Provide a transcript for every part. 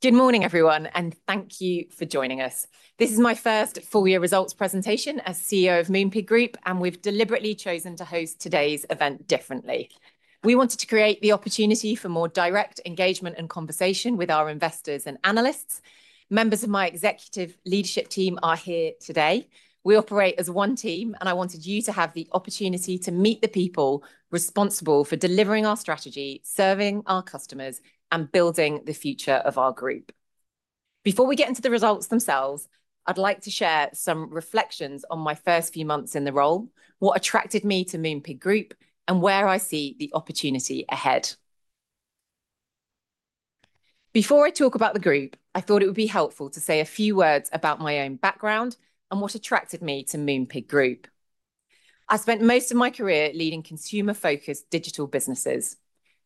Good morning, everyone, and thank you for joining us. This is my first full year results presentation as CEO of Moonpig Group, and we've deliberately chosen to host today's event differently. We wanted to create the opportunity for more direct engagement and conversation with our investors and analysts. Members of my executive leadership team are here today. We operate as one team, and I wanted you to have the opportunity to meet the people responsible for delivering our strategy, serving our customers, and building the future of our group. Before we get into the results themselves, I'd like to share some reflections on my first few months in the role, what attracted me to Moonpig Group, and where I see the opportunity ahead. Before I talk about the group, I thought it would be helpful to say a few words about my own background and what attracted me to Moonpig Group. I spent most of my career leading consumer-focused digital businesses.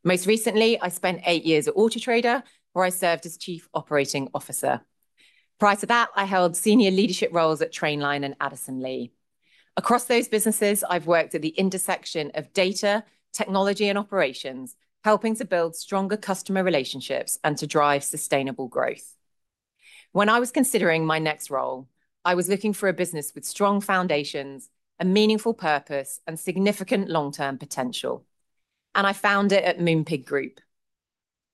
Most recently, I spent eight years at Auto Trader, where I served as chief operating officer. Prior to that, I held senior leadership roles at Trainline and Addison Lee. Across those businesses, I've worked at the intersection of data, technology, and operations, helping to build stronger customer relationships and to drive sustainable growth. When I was considering my next role, I was looking for a business with strong foundations, a meaningful purpose, and significant long-term potential, and I found it at Moonpig Group.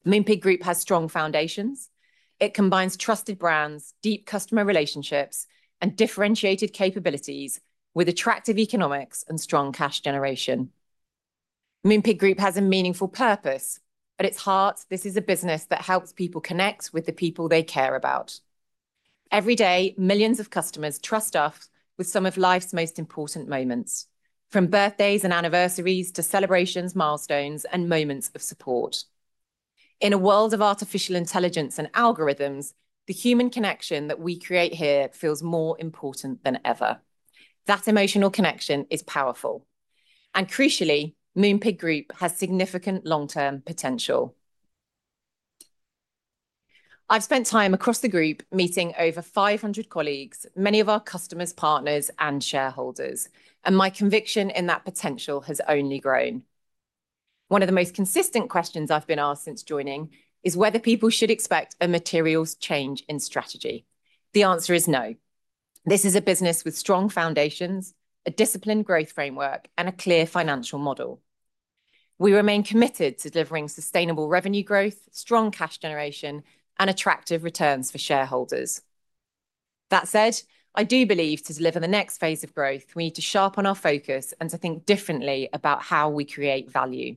Moonpig Group has strong foundations. It combines trusted brands, deep customer relationships, and differentiated capabilities with attractive economics and strong cash generation. Moonpig Group has a meaningful purpose. At its heart, this is a business that helps people connect with the people they care about. Every day, millions of customers trust us with some of life's most important moments, from birthdays and anniversaries to celebrations, milestones, and moments of support. In a world of artificial intelligence and algorithms, the human connection that we create here feels more important than ever. That emotional connection is powerful. Crucially, Moonpig Group has significant long-term potential. I've spent time across the group meeting over 500 colleagues, many of our customers, partners, and shareholders. My conviction in that potential has only grown. One of the most consistent questions I've been asked since joining is whether people should expect a material change in strategy. The answer is no. This is a business with strong foundations, a disciplined growth framework, and a clear financial model. We remain committed to delivering sustainable revenue growth, strong cash generation, and attractive returns for shareholders. That said, I do believe to deliver the next phase of growth, we need to sharpen our focus and to think differently about how we create value.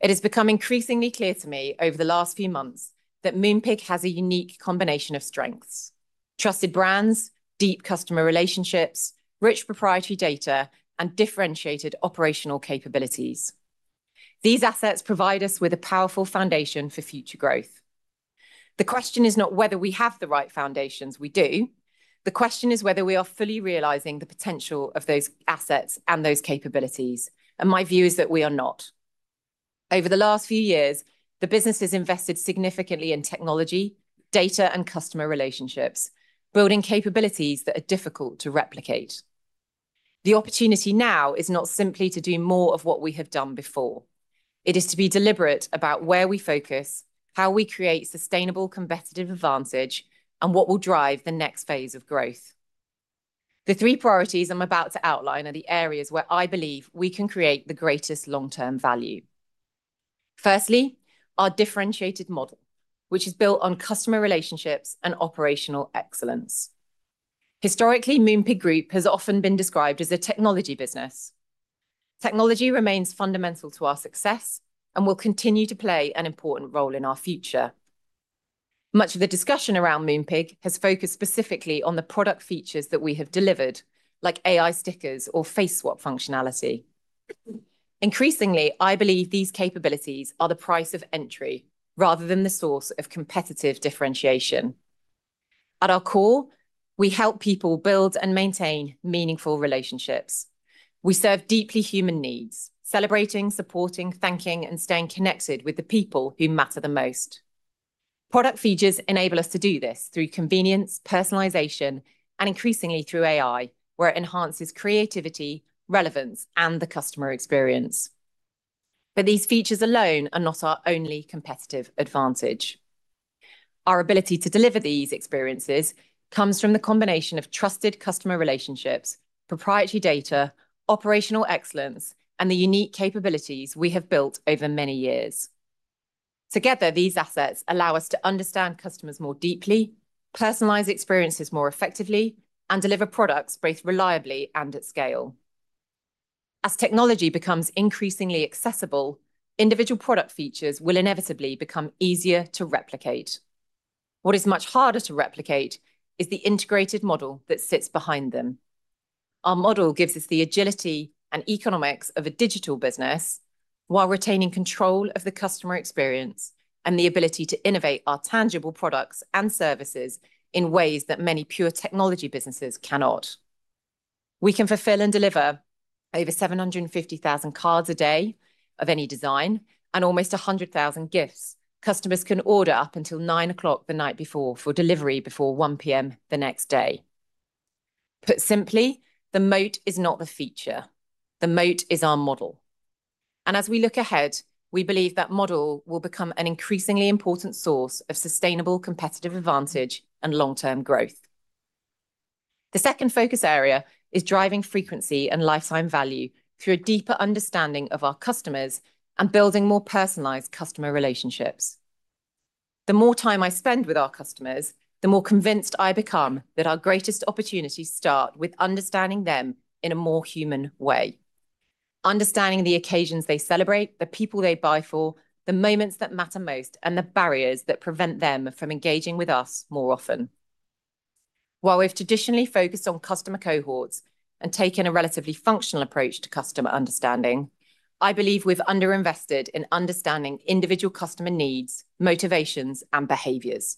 It has become increasingly clear to me over the last few months that Moonpig has a unique combination of strengths, trusted brands, deep customer relationships, rich proprietary data, and differentiated operational capabilities. These assets provide us with a powerful foundation for future growth. The question is not whether we have the right foundations. We do. The question is whether we are fully realizing the potential of those assets and those capabilities. My view is that we are not. Over the last few years, the business has invested significantly in technology, data, and customer relationships, building capabilities that are difficult to replicate. The opportunity now is not simply to do more of what we have done before. It is to be deliberate about where we focus, how we create sustainable competitive advantage, and what will drive the next phase of growth. The three priorities I'm about to outline are the areas where I believe we can create the greatest long-term value. Firstly, our differentiated model, which is built on customer relationships and operational excellence. Historically, Moonpig Group has often been described as a technology business. Technology remains fundamental to our success and will continue to play an important role in our future. Much of the discussion around Moonpig has focused specifically on the product features that we have delivered, like AI Stickers or Face Swap functionality. Increasingly, I believe these capabilities are the price of entry rather than the source of competitive differentiation. At our core, we help people build and maintain meaningful relationships. We serve deeply human needs, celebrating, supporting, thanking, and staying connected with the people who matter the most. Product features enable us to do this through convenience, personalization, and increasingly through AI, where it enhances creativity, relevance, and the customer experience. These features alone are not our only competitive advantage. Our ability to deliver these experiences comes from the combination of trusted customer relationships, proprietary data, operational excellence, and the unique capabilities we have built over many years. Together, these assets allow us to understand customers more deeply, personalize experiences more effectively, and deliver products both reliably and at scale. As technology becomes increasingly accessible, individual product features will inevitably become easier to replicate. What is much harder to replicate is the integrated model that sits behind them. Our model gives us the agility and economics of a digital business while retaining control of the customer experience and the ability to innovate our tangible products and services in ways that many pure technology businesses cannot. We can fulfill and deliver over 750,000 cards a day of any design and almost 100,000 gifts. Customers can order up until nine o'clock the night before for delivery before 1:00 P.M. the next day. Put simply, the moat is not the feature. The moat is our model. As we look ahead, we believe that model will become an increasingly important source of sustainable competitive advantage and long-term growth. The second focus area is driving frequency and lifetime value through a deeper understanding of our customers and building more personalized customer relationships. The more time I spend with our customers, the more convinced I become that our greatest opportunities start with understanding them in a more human way. Understanding the occasions they celebrate, the people they buy for, the moments that matter most, and the barriers that prevent them from engaging with us more often. While we've traditionally focused on customer cohorts and taken a relatively functional approach to customer understanding, I believe we've under-invested in understanding individual customer needs, motivations, and behaviors.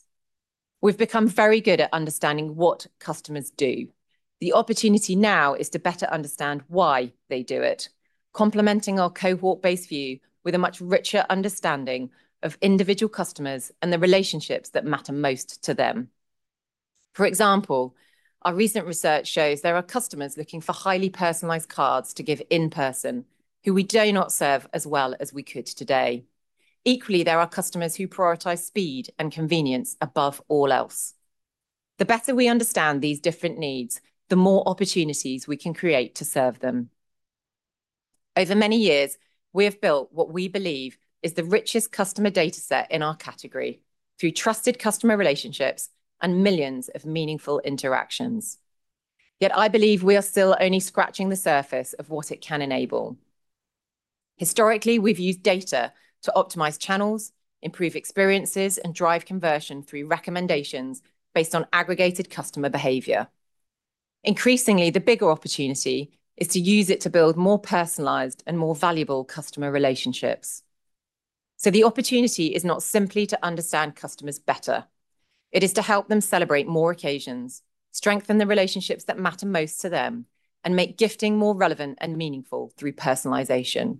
We've become very good at understanding what customers do. The opportunity now is to better understand why they do it, complementing our cohort-based view with a much richer understanding of individual customers and the relationships that matter most to them. For example, our recent research shows there are customers looking for highly personalized cards to give in person who we do not serve as well as we could today. Equally, there are customers who prioritize speed and convenience above all else. The better we understand these different needs, the more opportunities we can create to serve them. Over many years, we have built what we believe is the richest customer data set in our category through trusted customer relationships and millions of meaningful interactions. Yet, I believe we are still only scratching the surface of what it can enable. Historically, we've used data to optimize channels, improve experiences, and drive conversion through recommendations based on aggregated customer behavior. Increasingly, the bigger opportunity is to use it to build more personalized and more valuable customer relationships. The opportunity is not simply to understand customers better. It is to help them celebrate more occasions, strengthen the relationships that matter most to them, and make gifting more relevant and meaningful through personalization.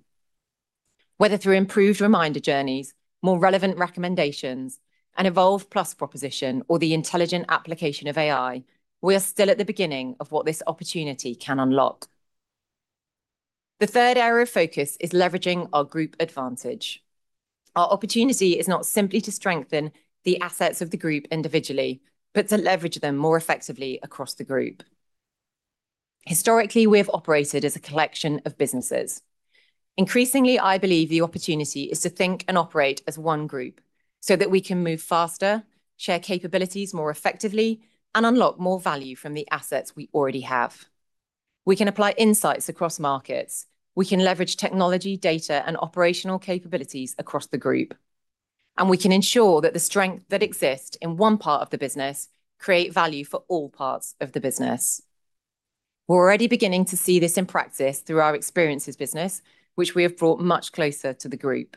Whether through improved reminder journeys, more relevant recommendations, a Moonpig Plus proposition, or the intelligent application of AI, we are still at the beginning of what this opportunity can unlock. The third area of focus is leveraging our group advantage. Our opportunity is not simply to strengthen the assets of the group individually, but to leverage them more effectively across the group. Historically, we have operated as a collection of businesses. Increasingly, I believe the opportunity is to think and operate as one group so that we can move faster, share capabilities more effectively, and unlock more value from the assets we already have. We can apply insights across markets. We can leverage technology, data, and operational capabilities across the group. We can ensure that the strength that exists in one part of the business creates value for all parts of the business. We're already beginning to see this in practice through our Experiences business, which we have brought much closer to the group.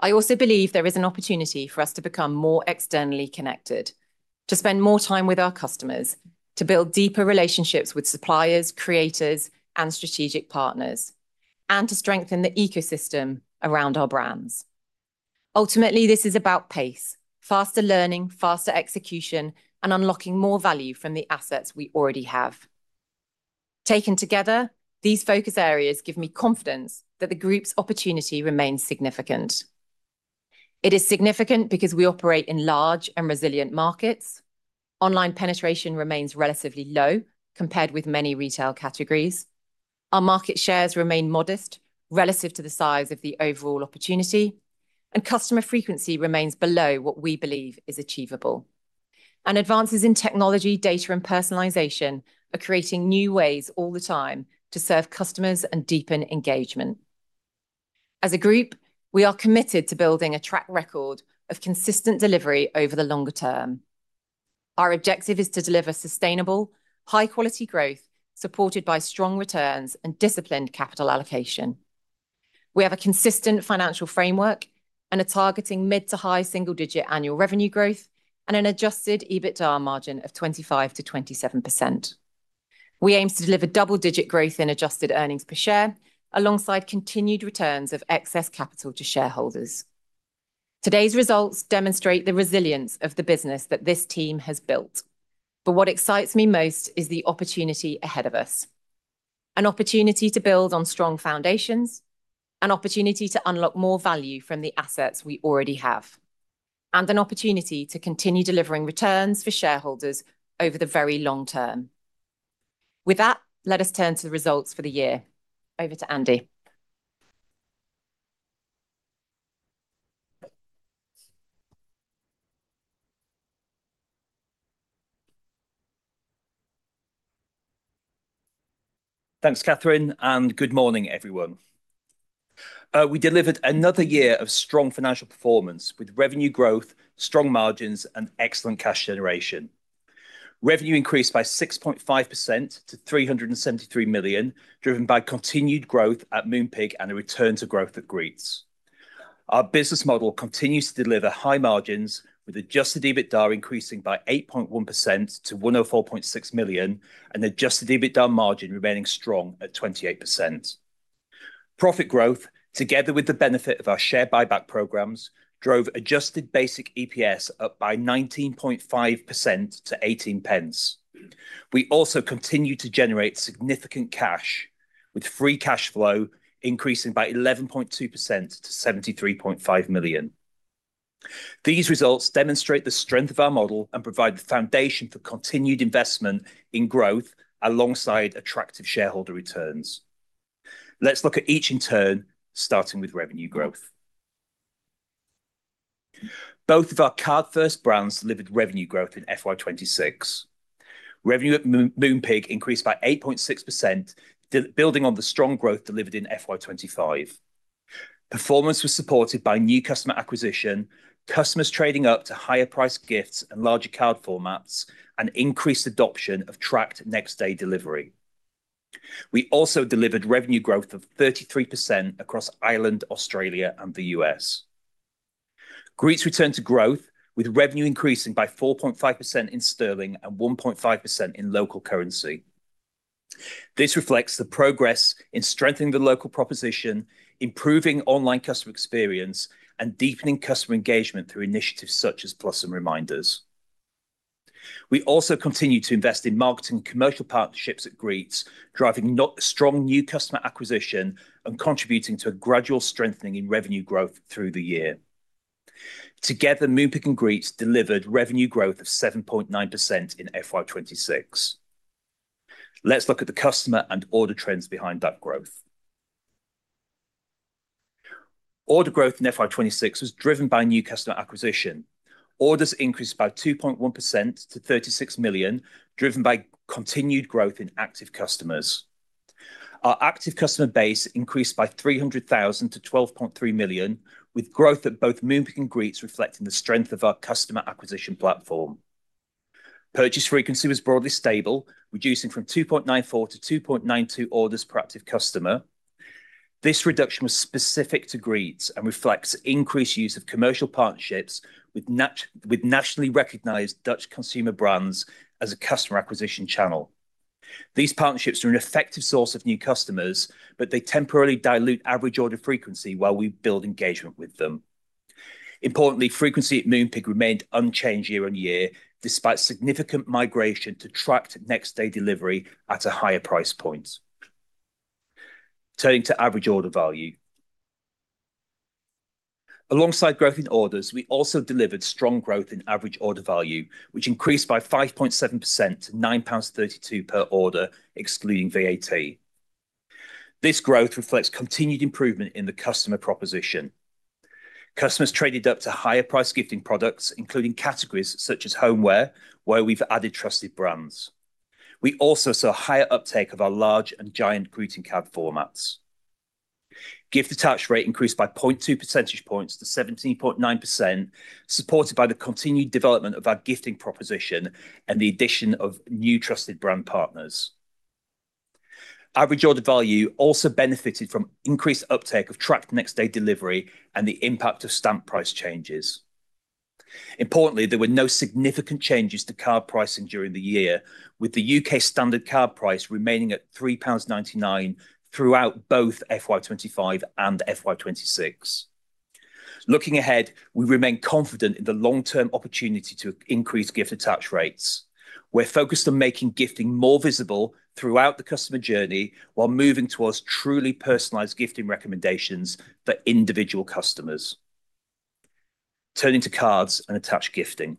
I also believe there is an opportunity for us to become more externally connected, to spend more time with our customers, to build deeper relationships with suppliers, creators, and strategic partners, and to strengthen the ecosystem around our brands. Ultimately, this is about pace, faster learning, faster execution, and unlocking more value from the assets we already have. Taken together, these focus areas give me confidence that the group's opportunity remains significant. It is significant because we operate in large and resilient markets. Online penetration remains relatively low compared with many retail categories. Our market shares remain modest relative to the size of the overall opportunity. Customer frequency remains below what we believe is achievable. Advances in technology, data, and personalization are creating new ways all the time to serve customers and deepen engagement. As a group, we are committed to building a track record of consistent delivery over the longer term. Our objective is to deliver sustainable, high-quality growth supported by strong returns and disciplined capital allocation. We have a consistent financial framework and are targeting mid- to high single-digit annual revenue growth and an adjusted EBITDA margin of 25%-27%. We aim to deliver double-digit growth in adjusted earnings per share alongside continued returns of excess capital to shareholders. Today's results demonstrate the resilience of the business that this team has built. What excites me most is the opportunity ahead of us. An opportunity to build on strong foundations, an opportunity to unlock more value from the assets we already have, and an opportunity to continue delivering returns for shareholders over the very long term. With that, let us turn to the results for the year. Over to Andy. Thanks, Catherine, and good morning, everyone. We delivered another year of strong financial performance with revenue growth, strong margins, and excellent cash generation. Revenue increased by 6.5% to 373 million, driven by continued growth at Moonpig and a return to growth at Greetz. Our business model continues to deliver high margins, with adjusted EBITDA increasing by 8.1% to 104.6 million, and adjusted EBITDA margin remaining strong at 28%. Profit growth, together with the benefit of our share buyback programs, drove adjusted basic EPS up by 19.5% to 0.18. We also continued to generate significant cash, with free cash flow increasing by 11.2% to 73.5 million. These results demonstrate the strength of our model and provide the foundation for continued investment in growth alongside attractive shareholder returns. Let's look at each in turn, starting with revenue growth. Both of our card first brands delivered revenue growth in FY 2026. Revenue at Moonpig increased by 8.6%, building on the strong growth delivered in FY 2025. Performance was supported by new customer acquisition, customers trading up to higher price gifts and larger card formats, and increased adoption of tracked next day delivery. We also delivered revenue growth of 33% across Ireland, Australia, and the U.S. Greetz returned to growth, with revenue increasing by 4.5% in sterling and 1.5% in local currency. This reflects the progress in strengthening the local proposition, improving online customer experience, and deepening customer engagement through initiatives such as occasion reminders. We also continue to invest in marketing commercial partnerships at Greetz, driving strong new customer acquisition and contributing to a gradual strengthening in revenue growth through the year. Together, Moonpig and Greetz delivered revenue growth of 7.9% in FY 2026. Let's look at the customer and order trends behind that growth. Order growth in FY 2026 was driven by new customer acquisition. Orders increased by 2.1% to 36 million, driven by continued growth in active customers. Our active customer base increased by 300,000 to 12.3 million, with growth at both Moonpig and Greetz reflecting the strength of our customer acquisition platform. Purchase frequency was broadly stable, reducing from 2.94 to 2.92 orders per active customer. This reduction was specific to Greetz and reflects increased use of commercial partnerships with nationally recognized Dutch consumer brands as a customer acquisition channel. These partnerships are an effective source of new customers, but they temporarily dilute average order frequency while we build engagement with them. Importantly, frequency at Moonpig remained unchanged year on year, despite significant migration to tracked next day delivery at a higher price point. Turning to average order value. Alongside growth in orders, we also delivered strong growth in average order value, which increased by 5.7% to 9.32 per order, excluding VAT. This growth reflects continued improvement in the customer proposition. Customers traded up to higher price gifting products, including categories such as homeware, where we've added trusted brands. We also saw higher uptake of our large and giant greeting card formats. Gift attach rate increased by 0.2 percentage points to 17.9%, supported by the continued development of our gifting proposition and the addition of new trusted brand partners. Average order value also benefited from increased uptake of tracked next day delivery and the impact of stamp price changes. Importantly, there were no significant changes to card pricing during the year, with the U.K. standard card price remaining at 3.99 pounds throughout both FY 2025 and FY 2026. Looking ahead, we remain confident in the long-term opportunity to increase gift attach rates. We're focused on making gifting more visible throughout the customer journey while moving towards truly personalized gifting recommendations for individual customers. Turning to cards and attached gifting.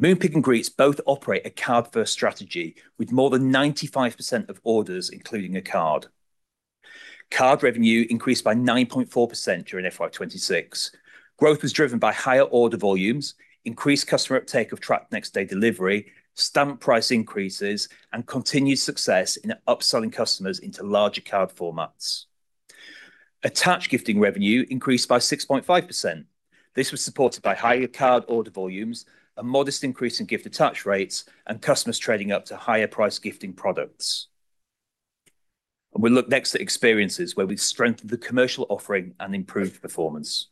Moonpig and Greetz both operate a card first strategy with more than 95% of orders including a card. Card revenue increased by 9.4% during FY 2026. Growth was driven by higher order volumes, increased customer uptake of tracked next day delivery, stamp price increases, and continued success in upselling customers into larger card formats. Attached gifting revenue increased by 6.5%. This was supported by higher card order volumes, a modest increase in gift attach rates, and customers trading up to higher price gifting products. We look next at Experiences where we've strengthened the commercial offering and improved performance.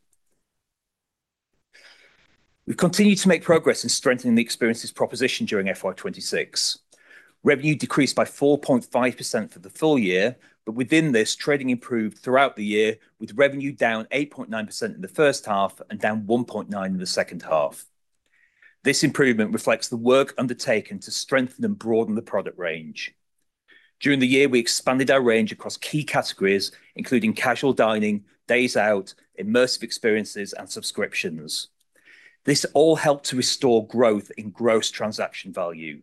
We've continued to make progress in strengthening the Experiences proposition during FY 2026. Revenue decreased by 4.5% for the full year. Within this, trading improved throughout the year, with revenue down 8.9% in the first half and down 1.9% in the second half. This improvement reflects the work undertaken to strengthen and broaden the product range. During the year, we expanded our range across key categories, including casual dining, days out, immersive experiences, and subscriptions. This all helped to restore growth in gross transaction value.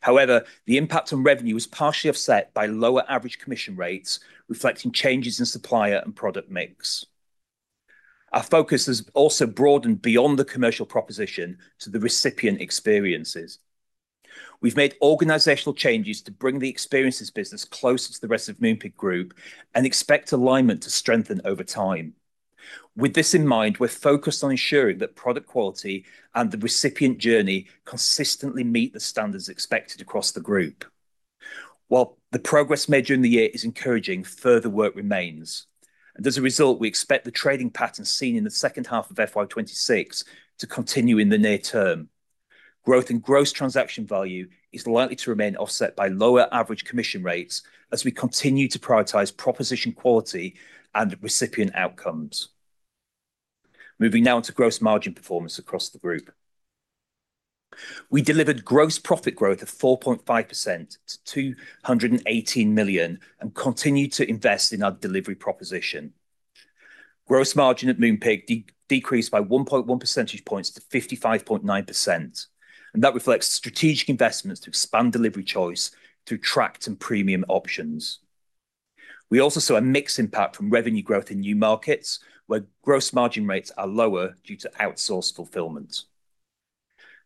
However, the impact on revenue was partially offset by lower average commission rates, reflecting changes in supplier and product mix. Our focus has also broadened beyond the commercial proposition to the recipient experiences. We've made organizational changes to bring the Experiences business closer to the rest of Moonpig Group and expect alignment to strengthen over time. With this in mind, we're focused on ensuring that product quality and the recipient journey consistently meet the standards expected across the group. While the progress made during the year is encouraging, further work remains, and as a result, we expect the trading pattern seen in the second half of FY 2026 to continue in the near term. Growth in gross transaction value is likely to remain offset by lower average commission rates as we continue to prioritize proposition quality and recipient outcomes. Moving now to gross margin performance across the group. We delivered gross profit growth of 4.5% to 218 million and continued to invest in our delivery proposition. Gross margin at Moonpig decreased by 1.1 percentage points to 55.9%. That reflects strategic investments to expand delivery choice through tracked and premium options. We also saw a mixed impact from revenue growth in new markets, where gross margin rates are lower due to outsourced fulfillment.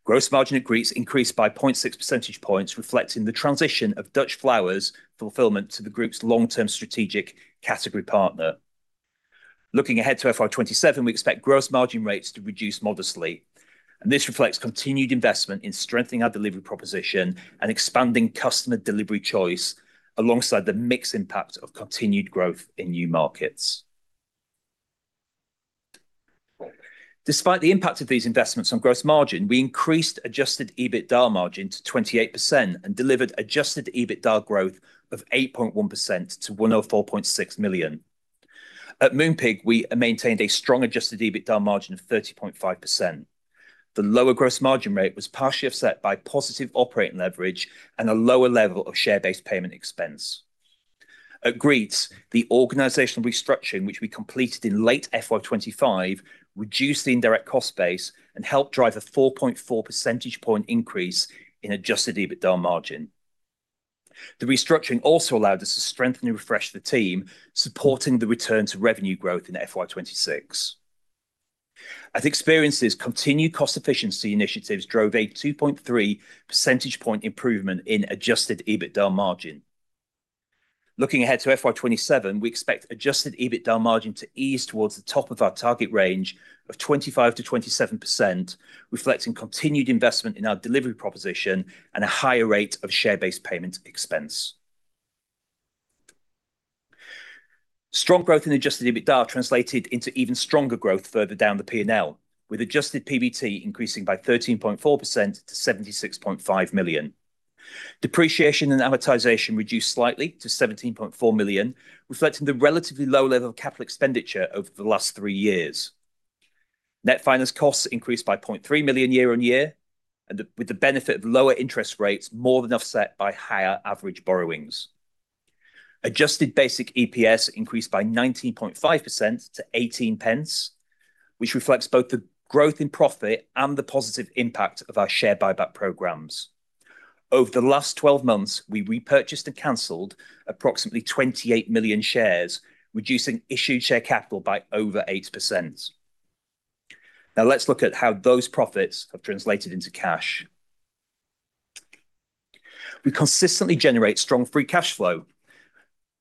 Gross margin at Greetz increased by 0.6 percentage points, reflecting the transition of Dutch Flowers fulfillment to the group's long-term strategic category partner. Looking ahead to FY 2027, we expect gross margin rates to reduce modestly. This reflects continued investment in strengthening our delivery proposition and expanding customer delivery choice, alongside the mixed impact of continued growth in new markets. Despite the impact of these investments on gross margin, we increased adjusted EBITDA margin to 28% and delivered adjusted EBITDA growth of 8.1% to 104.6 million. At Moonpig, we maintained a strong adjusted EBITDA margin of 30.5%. The lower gross margin rate was partially offset by positive operating leverage and a lower level of share-based payment expense. At Greetz, the organizational restructuring, which we completed in late FY 2025, reduced the indirect cost base and helped drive a 4.4 percentage point increase in adjusted EBITDA margin. The restructuring also allowed us to strengthen and refresh the team, supporting the return to revenue growth in FY 2026. As Experiences continue cost efficiency initiatives drove a 2.3 percentage point improvement in adjusted EBITDA margin. Looking ahead to FY 2027, we expect adjusted EBITDA margin to ease towards the top of our target range of 25%-27%, reflecting continued investment in our delivery proposition and a higher rate of share-based payment expense. Strong growth in adjusted EBITDA translated into even stronger growth further down the P&L, with adjusted PBT increasing by 13.4% to 76.5 million. Depreciation and amortization reduced slightly to 17.4 million, reflecting the relatively low level of capital expenditure over the last three years. Net finance costs increased by 0.3 million year-on-year, with the benefit of lower interest rates more than offset by higher average borrowings. Adjusted basic EPS increased by 19.5% to 0.18, which reflects both the growth in profit and the positive impact of our share buyback programs. Over the last 12 months, we repurchased and canceled approximately 28 million shares, reducing issued share capital by over 8%. Let's look at how those profits have translated into cash. We consistently generate strong free cash flow.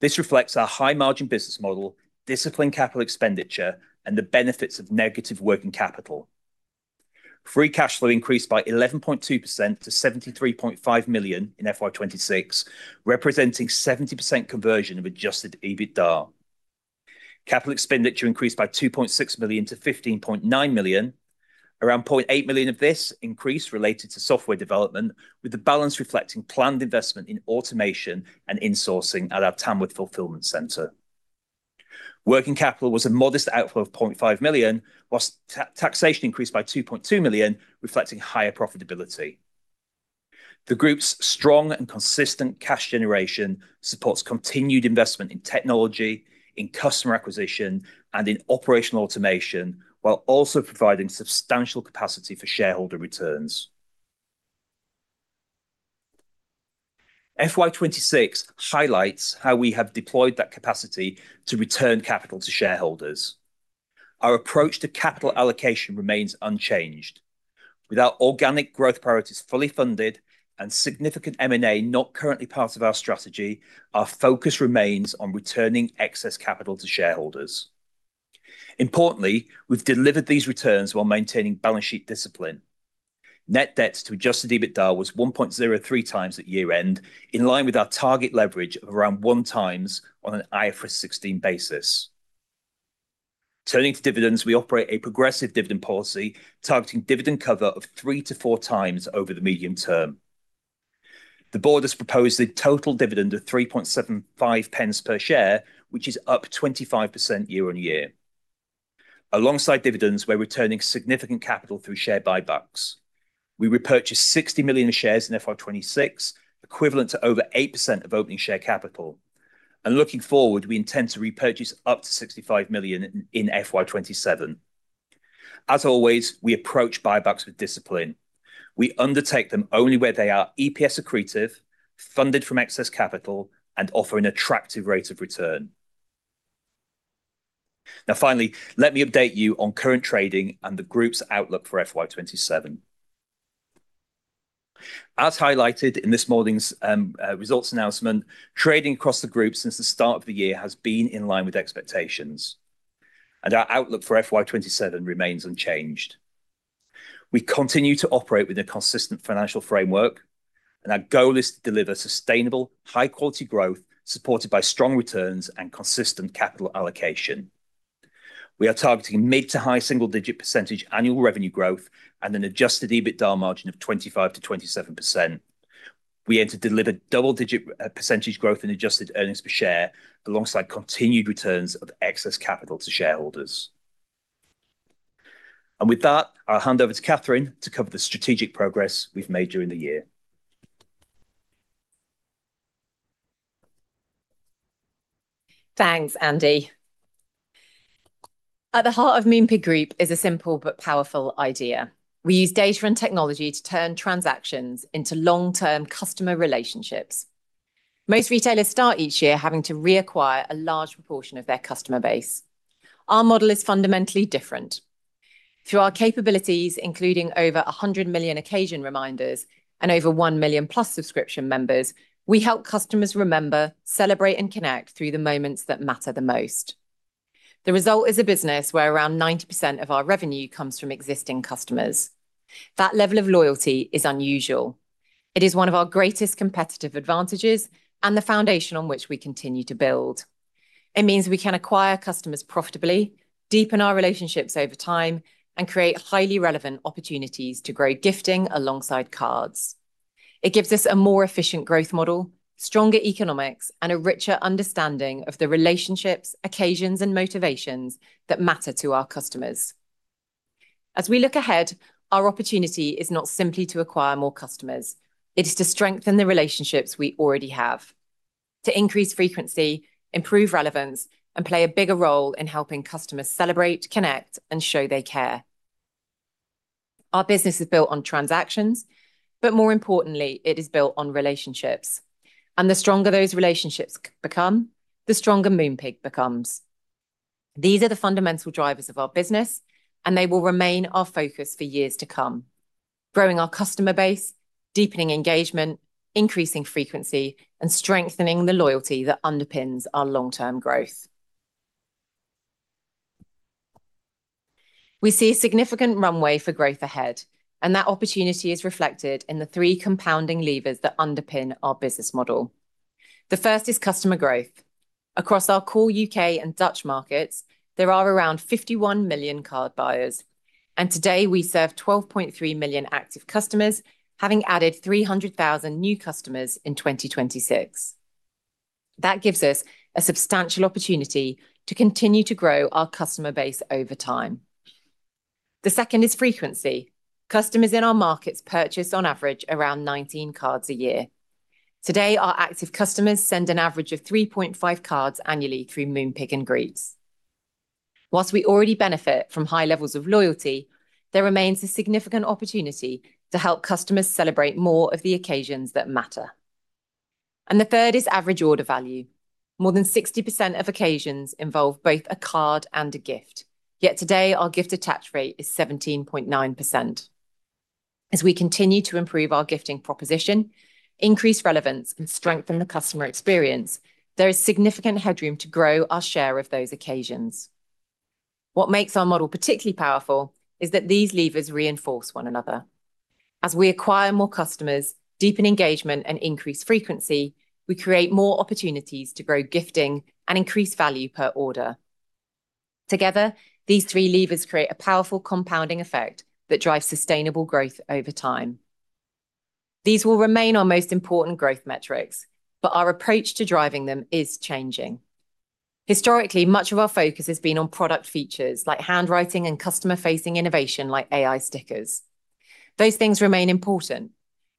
This reflects our high margin business model, disciplined capital expenditure, and the benefits of negative working capital. Free cash flow increased by 11.2% to 73.5 million in FY 2026, representing 70% conversion of adjusted EBITDA. Capital expenditure increased by 2.6 million to 15.9 million. Around 0.8 million of this increase related to software development, with the balance reflecting planned investment in automation and insourcing at our Tamworth fulfillment center. Working capital was a modest outflow of 0.5 million, whilst taxation increased by 2.2 million, reflecting higher profitability. The group's strong and consistent cash generation supports continued investment in technology, in customer acquisition, and in operational automation, while also providing substantial capacity for shareholder returns. FY 2026 highlights how we have deployed that capacity to return capital to shareholders. Our approach to capital allocation remains unchanged. With our organic growth priorities fully funded and significant M&A not currently part of our strategy, our focus remains on returning excess capital to shareholders. Importantly, we've delivered these returns while maintaining balance sheet discipline. Net debts to adjusted EBITDA was 1.03x at year-end, in line with our target leverage of around 1x on an IFRS 16 basis. Turning to dividends, we operate a progressive dividend policy targeting dividend cover of 3x-4x over the medium term. The board has proposed a total dividend of 0.0375 per share, which is up 25% year-on-year. Alongside dividends, we're returning significant capital through share buybacks. We repurchased 60 million shares in FY 2026, equivalent to over 8% of opening share capital. Looking forward, we intend to repurchase up to 65 million in FY 2027. As always, we approach buybacks with discipline. We undertake them only where they are EPS accretive, funded from excess capital, and offer an attractive rate of return. Finally, let me update you on current trading and the group's outlook for FY 2027. As highlighted in this morning's results announcement, trading across the group since the start of the year has been in line with expectations, and our outlook for FY 2027 remains unchanged. We continue to operate with a consistent financial framework, and our goal is to deliver sustainable, high quality growth supported by strong returns and consistent capital allocation. We are targeting mid to high single digit percentage annual revenue growth and an adjusted EBITDA margin of 25%-27%. We aim to deliver double digit percentage growth in adjusted earnings per share alongside continued returns of excess capital to shareholders. With that, I'll hand over to Catherine to cover the strategic progress we've made during the year. Thanks, Andy. At the heart of Moonpig Group is a simple but powerful idea. We use data and technology to turn transactions into long-term customer relationships. Most retailers start each year having to reacquire a large proportion of their customer base. Our model is fundamentally different. Through our capabilities, including over 100 million occasion reminders and over 1 million plus subscription members, we help customers remember, celebrate, and connect through the moments that matter the most. The result is a business where around 90% of our revenue comes from existing customers. That level of loyalty is unusual. It is one of our greatest competitive advantages and the foundation on which we continue to build. It means we can acquire customers profitably, deepen our relationships over time, and create highly relevant opportunities to grow gifting alongside cards. It gives us a more efficient growth model, stronger economics, and a richer understanding of the relationships, occasions, and motivations that matter to our customers. As we look ahead, our opportunity is not simply to acquire more customers. It is to strengthen the relationships we already have, to increase frequency, improve relevance, and play a bigger role in helping customers celebrate, connect, and show they care. Our business is built on transactions, but more importantly, it is built on relationships. The stronger those relationships become, the stronger Moonpig becomes. These are the fundamental drivers of our business, and they will remain our focus for years to come. Growing our customer base, deepening engagement, increasing frequency, and strengthening the loyalty that underpins our long-term growth. We see a significant runway for growth ahead, and that opportunity is reflected in the three compounding levers that underpin our business model. The first is customer growth. Across our core U.K. and Dutch markets, there are around 51 million card buyers, today we serve 12.3 million active customers, having added 300,000 new customers in 2026. That gives us a substantial opportunity to continue to grow our customer base over time. The second is frequency. Customers in our markets purchase, on average, around 19 cards a year. Today, our active customers send an average of 3.5 cards annually through Moonpig and Greetz. Whilst we already benefit from high levels of loyalty, there remains a significant opportunity to help customers celebrate more of the occasions that matter. The third is average order value. More than 60% of occasions involve both a card and a gift. Yet today, our gift attach rate is 17.9%. As we continue to improve our gifting proposition, increase relevance, and strengthen the customer experience, there is significant headroom to grow our share of those occasions. What makes our model particularly powerful is that these levers reinforce one another. As we acquire more customers, deepen engagement, and increase frequency, we create more opportunities to grow gifting and increase value per order. Together, these three levers create a powerful compounding effect that drives sustainable growth over time. These will remain our most important growth metrics, but our approach to driving them is changing. Historically, much of our focus has been on product features like handwriting and customer-facing innovation like AI Stickers. Those things remain important,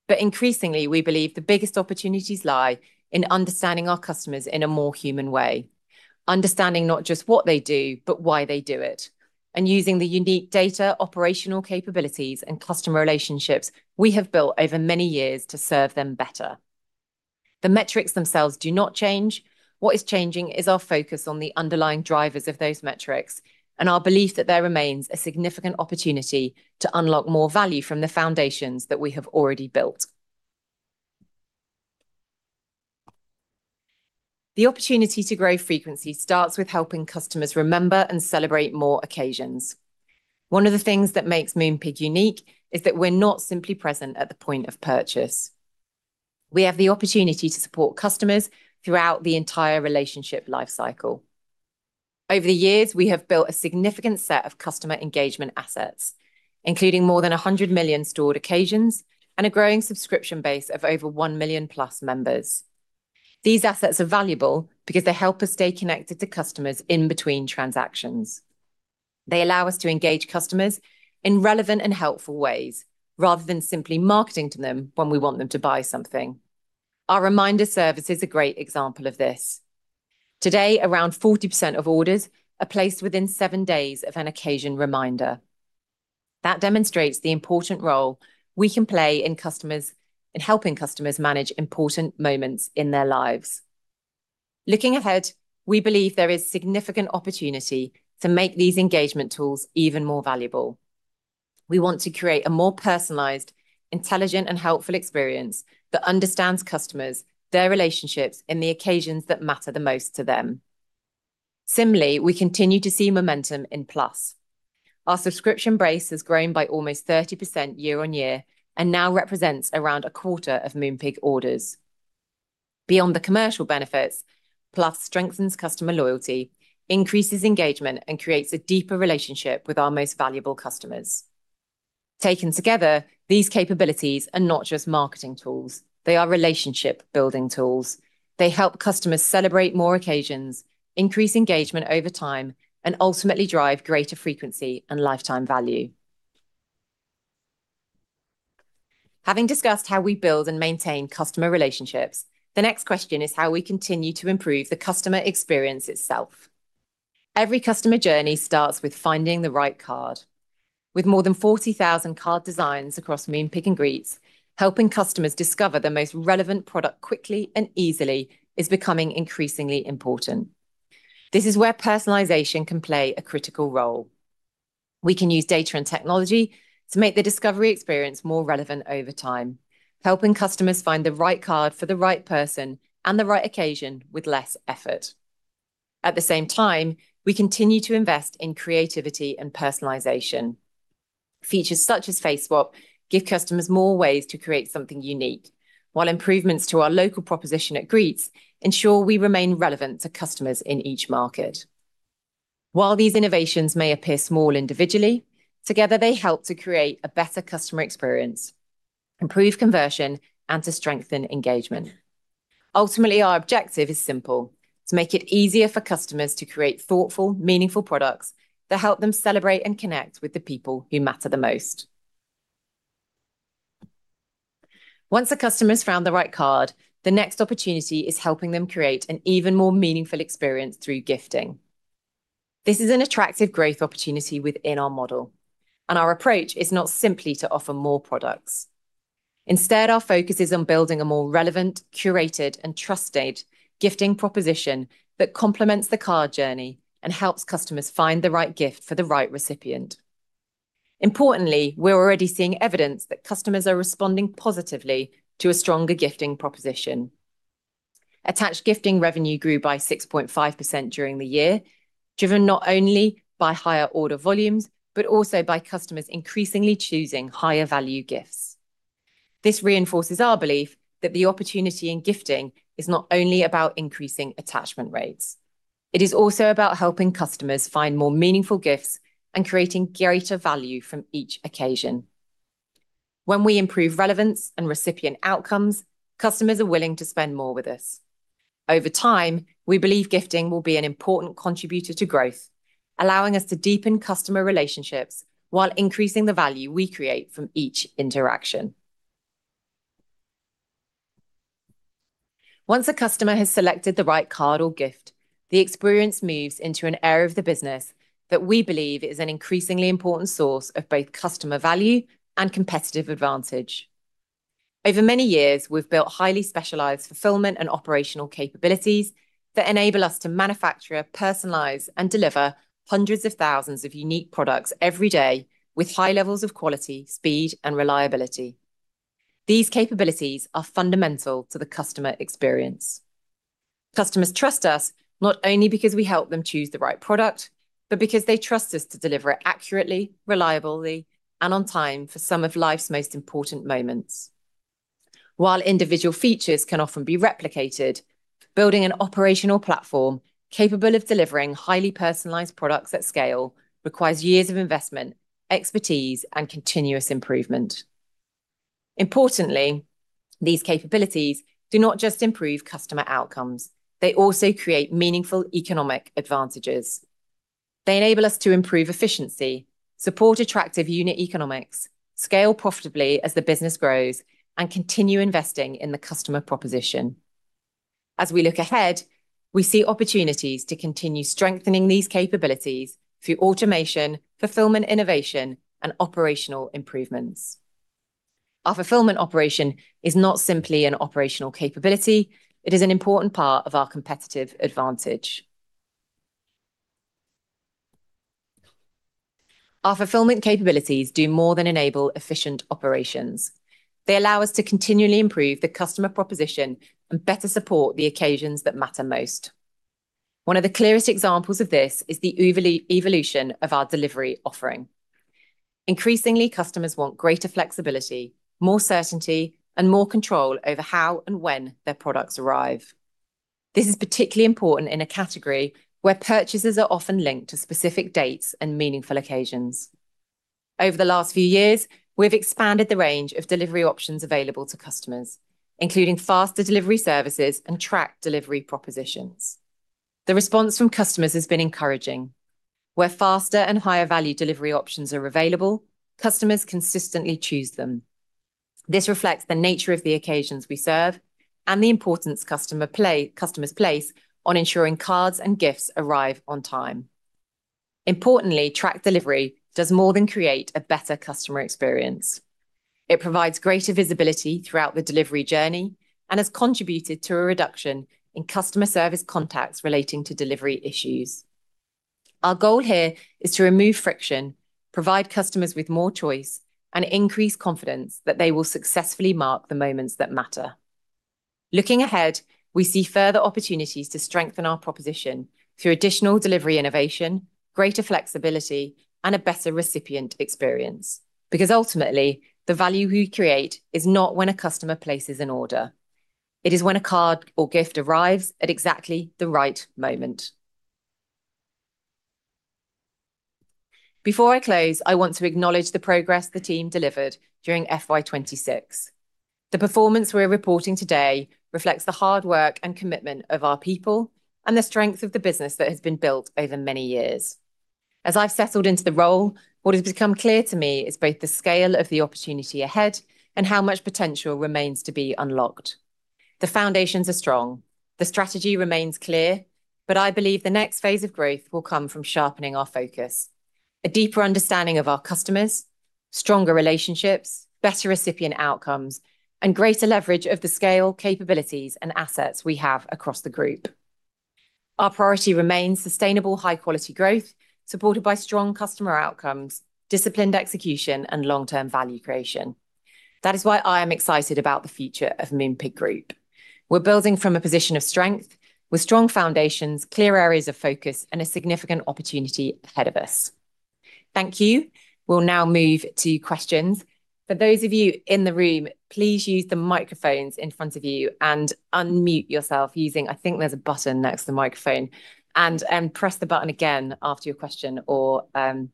but increasingly, we believe the biggest opportunities lie in understanding our customers in a more human way, understanding not just what they do, but why they do it, and using the unique data, operational capabilities, and customer relationships we have built over many years to serve them better. The metrics themselves do not change. What is changing is our focus on the underlying drivers of those metrics and our belief that there remains a significant opportunity to unlock more value from the foundations that we have already built. The opportunity to grow frequency starts with helping customers remember and celebrate more occasions. One of the things that makes Moonpig unique is that we're not simply present at the point of purchase. We have the opportunity to support customers throughout the entire relationship life cycle. Over the years, we have built a significant set of customer engagement assets, including more than 100 million stored occasions and a growing subscription base of over 1 million Moonpig Plus members. These assets are valuable because they help us stay connected to customers in between transactions. They allow us to engage customers in relevant and helpful ways rather than simply marketing to them when we want them to buy something. Our reminder service is a great example of this. Today, around 40% of orders are placed within seven days of an occasion reminder. That demonstrates the important role we can play in helping customers manage important moments in their lives. Looking ahead, we believe there is significant opportunity to make these engagement tools even more valuable. We want to create a more personalized, intelligent, and helpful experience that understands customers, their relationships, and the occasions that matter the most to them. Similarly, we continue to see momentum in Plus. Our subscription base has grown by almost 30% year-on-year and now represents around a quarter of Moonpig orders. Beyond the commercial benefits, Plus strengthens customer loyalty, increases engagement, and creates a deeper relationship with our most valuable customers. Taken together, these capabilities are not just marketing tools, they are relationship-building tools. They help customers celebrate more occasions, increase engagement over time, and ultimately drive greater frequency and lifetime value. Having discussed how we build and maintain customer relationships, the next question is how we continue to improve the customer experience itself. Every customer journey starts with finding the right card. With more than 40,000 card designs across Moonpig and Greetz, helping customers discover the most relevant product quickly and easily is becoming increasingly important. This is where personalization can play a critical role. We can use data and technology to make the discovery experience more relevant over time, helping customers find the right card for the right person and the right occasion with less effort. At the same time, we continue to invest in creativity and personalization. Features such as Face Swap give customers more ways to create something unique, while improvements to our local proposition at Greetz ensure we remain relevant to customers in each market. While these innovations may appear small individually, together they help to create a better customer experience, improve conversion, and to strengthen engagement. Ultimately, our objective is simple, to make it easier for customers to create thoughtful, meaningful products that help them celebrate and connect with the people who matter the most. Once a customer's found the right card, the next opportunity is helping them create an even more meaningful experience through gifting. This is an attractive growth opportunity within our model, and our approach is not simply to offer more products. Instead, our focus is on building a more relevant, curated, and trusted gifting proposition that complements the card journey and helps customers find the right gift for the right recipient. Importantly, we're already seeing evidence that customers are responding positively to a stronger gifting proposition. Attached gifting revenue grew by 6.5% during the year, driven not only by higher order volumes, but also by customers increasingly choosing higher value gifts. This reinforces our belief that the opportunity in gifting is not only about increasing attachment rates, it is also about helping customers find more meaningful gifts and creating greater value from each occasion. When we improve relevance and recipient outcomes, customers are willing to spend more with us. Over time, we believe gifting will be an important contributor to growth, allowing us to deepen customer relationships while increasing the value we create from each interaction. Once a customer has selected the right card or gift, the experience moves into an area of the business that we believe is an increasingly important source of both customer value and competitive advantage. Over many years, we've built highly specialized fulfillment and operational capabilities that enable us to manufacture, personalize, and deliver hundreds of thousands of unique products every day with high levels of quality, speed, and reliability. These capabilities are fundamental to the customer experience. Customers trust us not only because we help them choose the right product, but because they trust us to deliver it accurately, reliably, and on time for some of life's most important moments. While individual features can often be replicated, building an operational platform capable of delivering highly personalized products at scale requires years of investment, expertise, and continuous improvement. Importantly, these capabilities do not just improve customer outcomes, they also create meaningful economic advantages. They enable us to improve efficiency, support attractive unit economics, scale profitably as the business grows, and continue investing in the customer proposition. As we look ahead, we see opportunities to continue strengthening these capabilities through automation, fulfillment innovation, and operational improvements. Our fulfillment operation is not simply an operational capability, it is an important part of our competitive advantage. Our fulfillment capabilities do more than enable efficient operations. They allow us to continually improve the customer proposition and better support the occasions that matter most. One of the clearest examples of this is the evolution of our delivery offering. Increasingly, customers want greater flexibility, more certainty, and more control over how and when their products arrive. This is particularly important in a category where purchases are often linked to specific dates and meaningful occasions. Over the last few years, we've expanded the range of delivery options available to customers, including faster delivery services and tracked delivery propositions. The response from customers has been encouraging. Where faster and higher value delivery options are available, customers consistently choose them. This reflects the nature of the occasions we serve and the importance customers place on ensuring cards and gifts arrive on time. Importantly, tracked delivery does more than create a better customer experience. It provides greater visibility throughout the delivery journey and has contributed to a reduction in customer service contacts relating to delivery issues. Our goal here is to remove friction, provide customers with more choice, and increase confidence that they will successfully mark the moments that matter. Looking ahead, we see further opportunities to strengthen our proposition through additional delivery innovation Greater flexibility and a better recipient experience. Because ultimately, the value we create is not when a customer places an order. It is when a card or gift arrives at exactly the right moment. Before I close, I want to acknowledge the progress the team delivered during FY 2026. The performance we're reporting today reflects the hard work and commitment of our people and the strength of the business that has been built over many years. As I've settled into the role, what has become clear to me is both the scale of the opportunity ahead and how much potential remains to be unlocked. The foundations are strong, the strategy remains clear, but I believe the next phase of growth will come from sharpening our focus, a deeper understanding of our customers, stronger relationships, better recipient outcomes, and greater leverage of the scale, capabilities, and assets we have across the group. Our priority remains sustainable, high-quality growth, supported by strong customer outcomes, disciplined execution, and long-term value creation. That is why I am excited about the future of Moonpig Group. We're building from a position of strength with strong foundations, clear areas of focus, and a significant opportunity ahead of us. Thank you. We'll now move to questions. For those of you in the room, please use the microphones in front of you and unmute yourself using, I think there is a button next to the microphone. Press the button again after your question, or we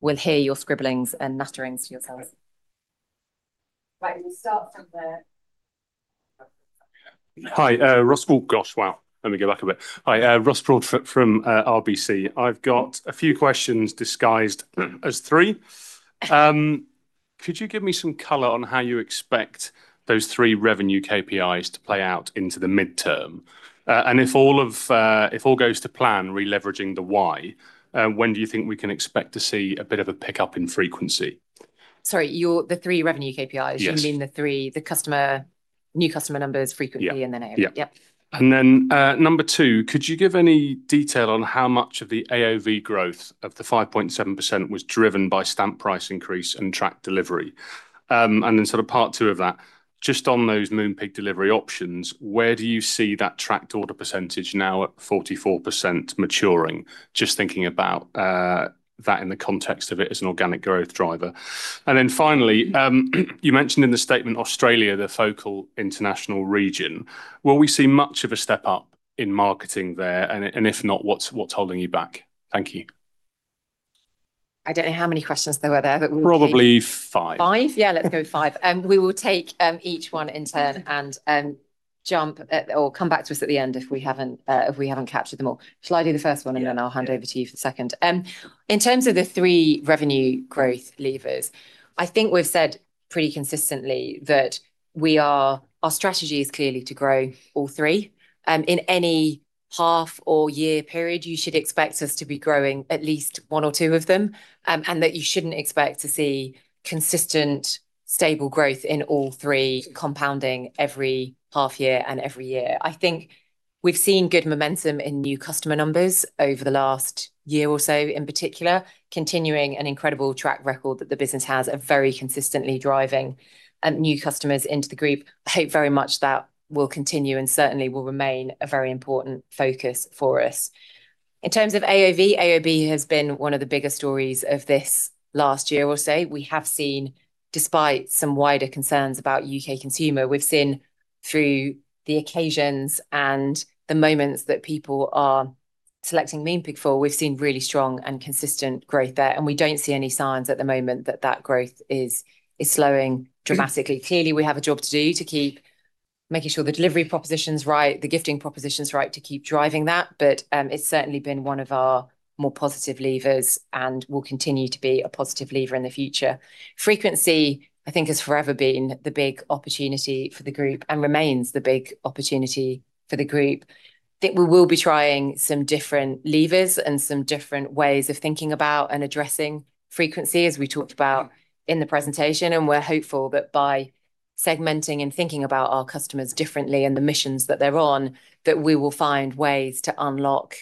will hear your scribblings and natterings to yourselves. Right, we start from there. Well, gosh, wow. Let me go back a bit. Hi, Ross Broadfoot from RBC. I have got a few questions disguised as three. Could you give me some color on how you expect those three revenue KPIs to play out into the midterm? If all goes to plan, re-leveraging the Y, when do you think we can expect to see a bit of a pickup in frequency? Sorry, the three revenue KPIs? Yes. You mean the new customer numbers frequently- Yeah AOV? Yeah. Yep. Then, number two, could you give any detail on how much of the AOV growth of the 5.7% was driven by stamp price increase and tracked delivery? Then part two of that, just on those Moonpig delivery options, where do you see that tracked order percentage now at 44% maturing? Just thinking about that in the context of it as an organic growth driver. Then finally, you mentioned in the statement Australia, the focal international region. Will we see much of a step up in marketing there? If not, what's holding you back? Thank you. I don't know how many questions there were there. Probably five. Five? Yeah, let's go five. We will take each one in turn and jump or come back to us at the end if we haven't captured them all. Shall I do the first one, and then I'll hand over to you for the second? Yeah. In terms of the three revenue growth levers, I think we've said pretty consistently that our strategy is clearly to grow all three. In any half or year period, you should expect us to be growing at least one or two of them, and that you shouldn't expect to see consistent, stable growth in all three compounding every half year and every year. I think we've seen good momentum in new customer numbers over the last year or so in particular, continuing an incredible track record that the business has of very consistently driving new customers into the group. I hope very much that will continue and certainly will remain a very important focus for us. In terms of AOV has been one of the bigger stories of this last year or so. We have seen, despite some wider concerns about U.K. consumer, we've seen through the occasions and the moments that people are selecting Moonpig for, we've seen really strong and consistent growth there, and we don't see any signs at the moment that that growth is slowing dramatically. Clearly, we have a job to do to keep making sure the delivery proposition's right, the gifting proposition's right to keep driving that, but it's certainly been one of our more positive levers and will continue to be a positive lever in the future. Frequency, I think, has forever been the big opportunity for the group and remains the big opportunity for the group. I think we will be trying some different levers and some different ways of thinking about and addressing frequency, as we talked about in the presentation, and we're hopeful that by segmenting and thinking about our customers differently and the missions that they're on, that we will find ways to unlock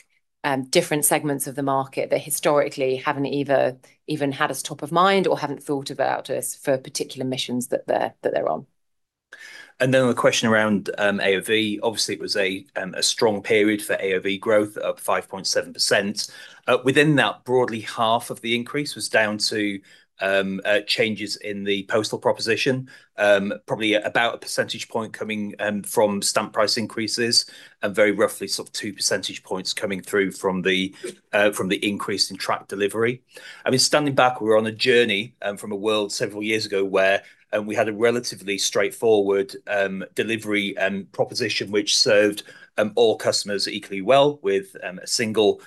different segments of the market that historically haven't either even had us top of mind or haven't thought about us for particular missions that they're on. On the question around AOV, obviously, it was a strong period for AOV growth, up 5.7%. Within that, broadly half of the increase was down to changes in the postal proposition. Probably about a percentage point coming from stamp price increases, and very roughly sort of two percentage points coming through from the increase in tracked delivery. I mean, standing back, we are on a journey from a world several years ago where we had a relatively straightforward delivery proposition, which served all customers equally well with a single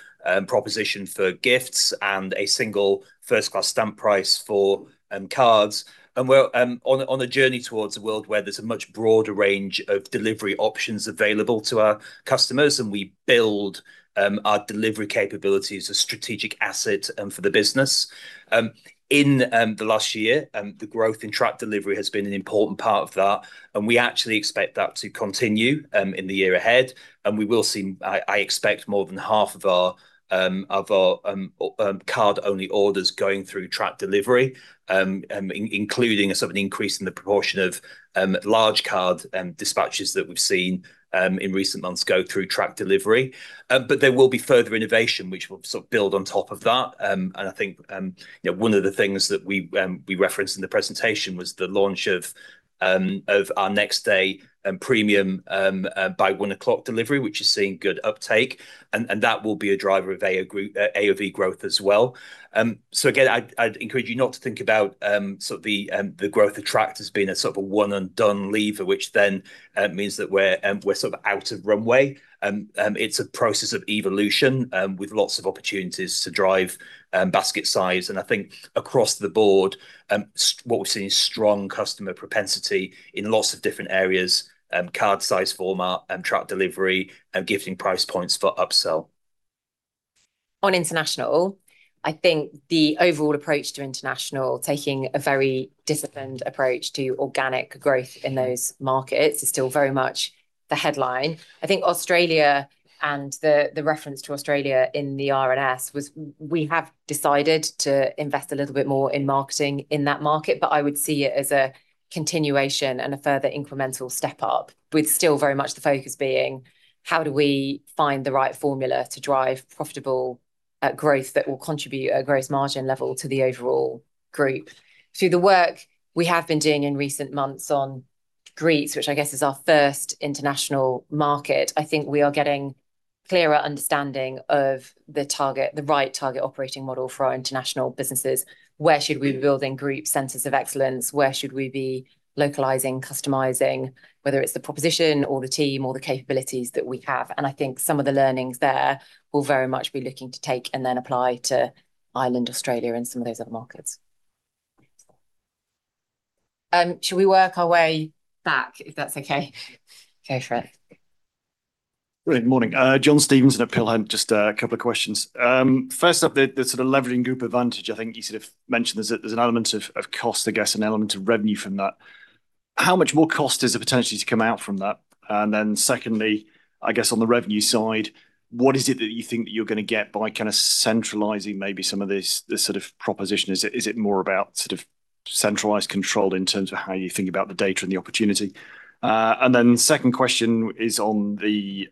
proposition for gifts and a single first class stamp price for cards. We are on a journey towards a world where there is a much broader range of delivery options available to our customers, and we build our delivery capability as a strategic asset for the business. In the last year, the growth in tracked delivery has been an important part of that, we actually expect that to continue in the year ahead. We will see, I expect, more than half of our card-only orders going through tracked delivery, including a sort of an increase in the proportion of large card dispatches that we have seen in recent months go through tracked delivery. There will be further innovation which will sort of build on top of that. I think one of the things that we referenced in the presentation was the launch of our next day premium by 1:00 P.M. delivery, which is seeing good uptake. That will be a driver of AOV growth as well. Again, I would encourage you not to think about the growth of tracked as being a sort of a one and done lever, which then means that we are sort of out of runway. It is a process of evolution, with lots of opportunities to drive basket size. I think across the board, what we are seeing is strong customer propensity in lots of different areas, card size, format, tracked delivery, gifting price points for upsell. On international, I think the overall approach to international, taking a very disciplined approach to organic growth in those markets is still very much the headline. I think Australia and the reference to Australia in the RNS was, we have decided to invest a little bit more in marketing in that market. I would see it as a continuation and a further incremental step up with still very much the focus being, how do we find the right formula to drive profitable growth that will contribute a gross margin level to the overall group? Through the work we have been doing in recent months on Greetz, which I guess is our first international market, I think we are getting clearer understanding of the right target operating model for our international businesses. Where should we be building group centers of excellence? Where should we be localizing, customizing, whether it's the proposition or the team or the capabilities that we have. I think some of the learnings there we'll very much be looking to take and then apply to Ireland, Australia, and some of those other markets. Should we work our way back, if that's okay? Go for it. Brilliant. Morning. John Stevenson at Peel Hunt. Just a couple of questions. First up, the sort of leveraging group advantage. I think you sort of mentioned there's an element of cost, I guess an element of revenue from that. How much more cost is there potentially to come out from that? Secondly, I guess on the revenue side, what is it that you think that you're going to get by kind of centralizing maybe some of this sort of proposition? Is it more about sort of centralized control in terms of how you think about the data and the opportunity? Second question is on the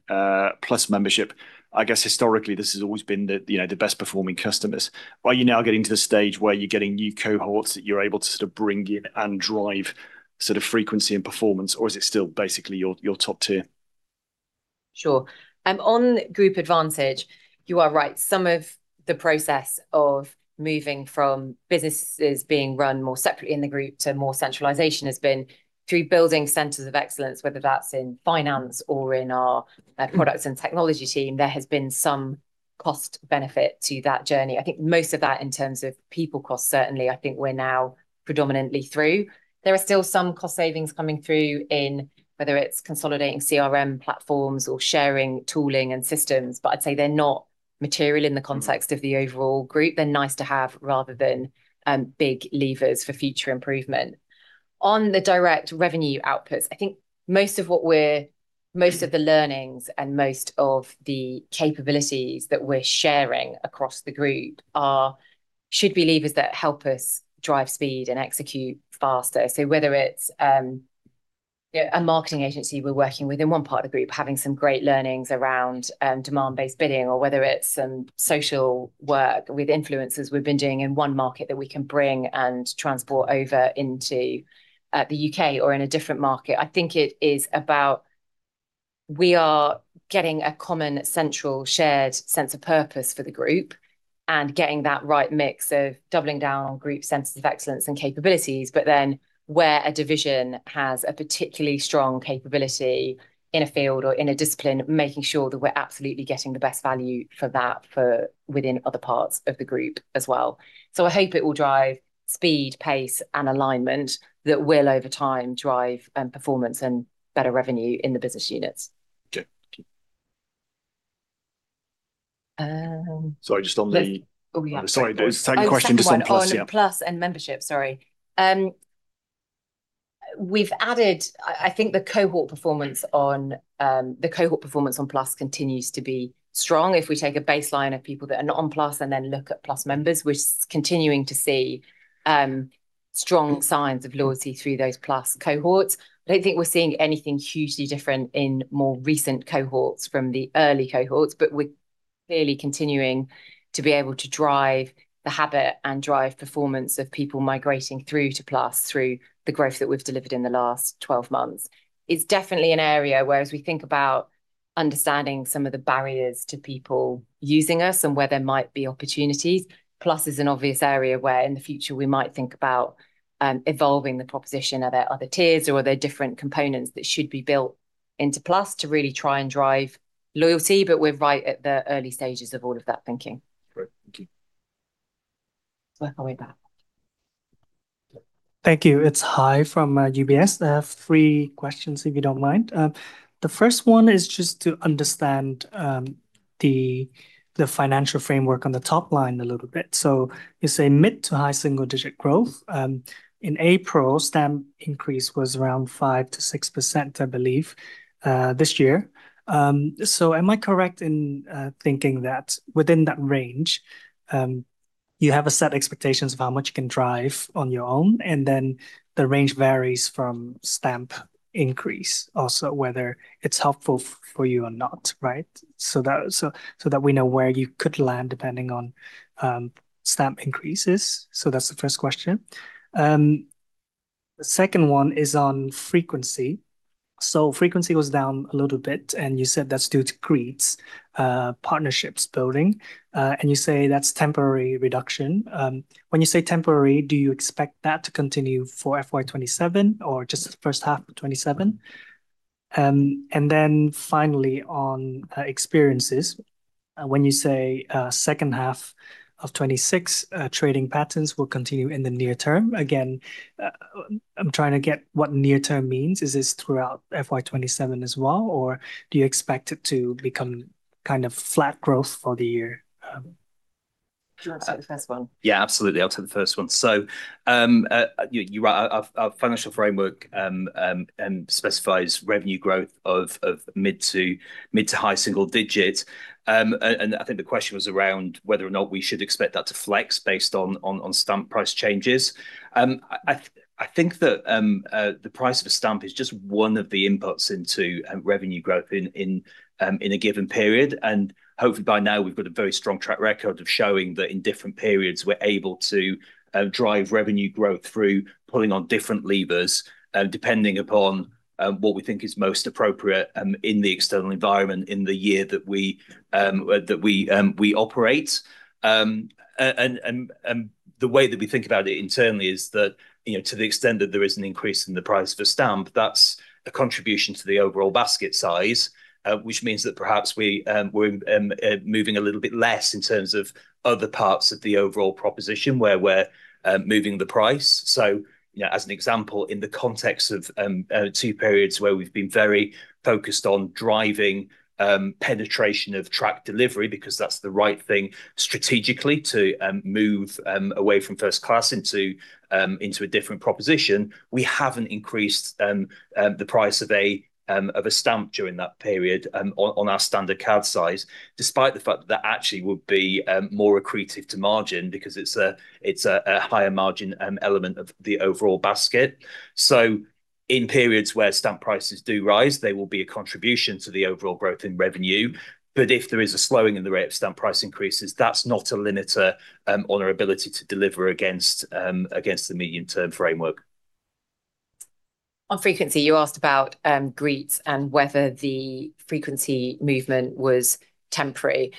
Plus membership. I guess historically this has always been the best performing customers. Are you now getting to the stage where you're getting new cohorts that you're able to sort of bring in and drive sort of frequency and performance? Or is it still basically your top tier? Sure. On group advantage, you are right. Some of the process of moving from businesses being run more separately in the group to more centralization has been through building centers of excellence, whether that's in finance or in our products and technology team. There has been some cost benefit to that journey. I think most of that in terms of people cost, certainly, I think we're now predominantly through. There are still some cost savings coming through in whether it's consolidating CRM platforms or sharing tooling and systems. I'd say they're not material in the context of the overall group. They're nice to have rather than big levers for future improvement. On the direct revenue outputs, I think most of the learnings and most of the capabilities that we're sharing across the group should be levers that help us drive speed and execute faster. Whether it's a marketing agency we're working with in one part of the group having some great learnings around demand-based bidding, or whether it's some social work with influencers we've been doing in one market that we can bring and transport over into the U.K. or in a different market. I think it is about we are getting a common, central, shared sense of purpose for the group and getting that right mix of doubling down on group centers of excellence and capabilities. Where a division has a particularly strong capability in a field or in a discipline, making sure that we're absolutely getting the best value for that for within other parts of the group as well. I hope it will drive speed, pace, and alignment that will, over time, drive performance and better revenue in the business units. Okay. Thank you. Um- Sorry, just on the Oh, yeah. sorry, there was a second question on Plus. Yeah Oh, second one. On Plus and membership, sorry. I think the cohort performance on Plus continues to be strong. If we take a baseline of people that are not on Plus and then look at Plus members, we're continuing to see strong signs of loyalty through those Plus cohorts. I don't think we're seeing anything hugely different in more recent cohorts from the early cohorts. We're clearly continuing to be able to drive the habit and drive performance of people migrating through to Plus through the growth that we've delivered in the last 12 months. It's definitely an area where, as we think about understanding some of the barriers to people using us and where there might be opportunities. Plus is an obvious area where, in the future, we might think about evolving the proposition. Are there other tiers or are there different components that should be built into Plus to really try and drive loyalty? We're right at the early stages of all of that thinking. Great. Thank you. Let's work our way back. Thank you. It's Hai from UBS. I have three questions, if you don't mind. The first one is just to understand the financial framework on the top line a little bit. You say mid to high single digit growth. In April, stamp increase was around 5%-6%, I believe, this year. Am I correct in thinking that within that range, you have a set expectations of how much you can drive on your own, and then the range varies from stamp increase also, whether it's helpful for you or not, right? That we know where you could land depending on stamp increases. That's the first question. The second one is on frequency. Frequency was down a little bit, and you said that's due to Greetz, partnerships building, and you say that's temporary reduction. When you say temporary, do you expect that to continue for FY 2027, or just the first half of 2027? Finally on Experiences. When you say second half of 2026 trading patterns will continue in the near term. Again, I'm trying to get what near term means. Is this throughout FY 2027 as well, or do you expect it to become kind of flat growth for the year? Do you want to take the first one? Yeah, absolutely. I'll take the first one. Our financial framework specifies revenue growth of mid to high single digits. I think the question was around whether or not we should expect that to flex based on stamp price changes. I think that the price of a stamp is just one of the inputs into revenue growth in a given period. Hopefully by now, we've got a very strong track record of showing that in different periods, we're able to drive revenue growth through pulling on different levers, depending upon what we think is most appropriate in the external environment, in the year that we operate. The way that we think about it internally is that, to the extent that there is an increase in the price of a stamp, that's a contribution to the overall basket size, which means that perhaps we're moving a little bit less in terms of other parts of the overall proposition where we're moving the price. As an example, in the context of two periods where we've been very focused on driving penetration of tracked delivery, because that's the right thing strategically to move away from first class into a different proposition, we haven't increased the price of a stamp during that period on our standard card size, despite the fact that that actually would be more accretive to margin because it's a higher margin element of the overall basket. In periods where stamp prices do rise, they will be a contribution to the overall growth in revenue. If there is a slowing in the rate of stamp price increases, that's not a limiter on our ability to deliver against the medium-term framework. On frequency, you asked about Greetz and whether the frequency movement was temporary.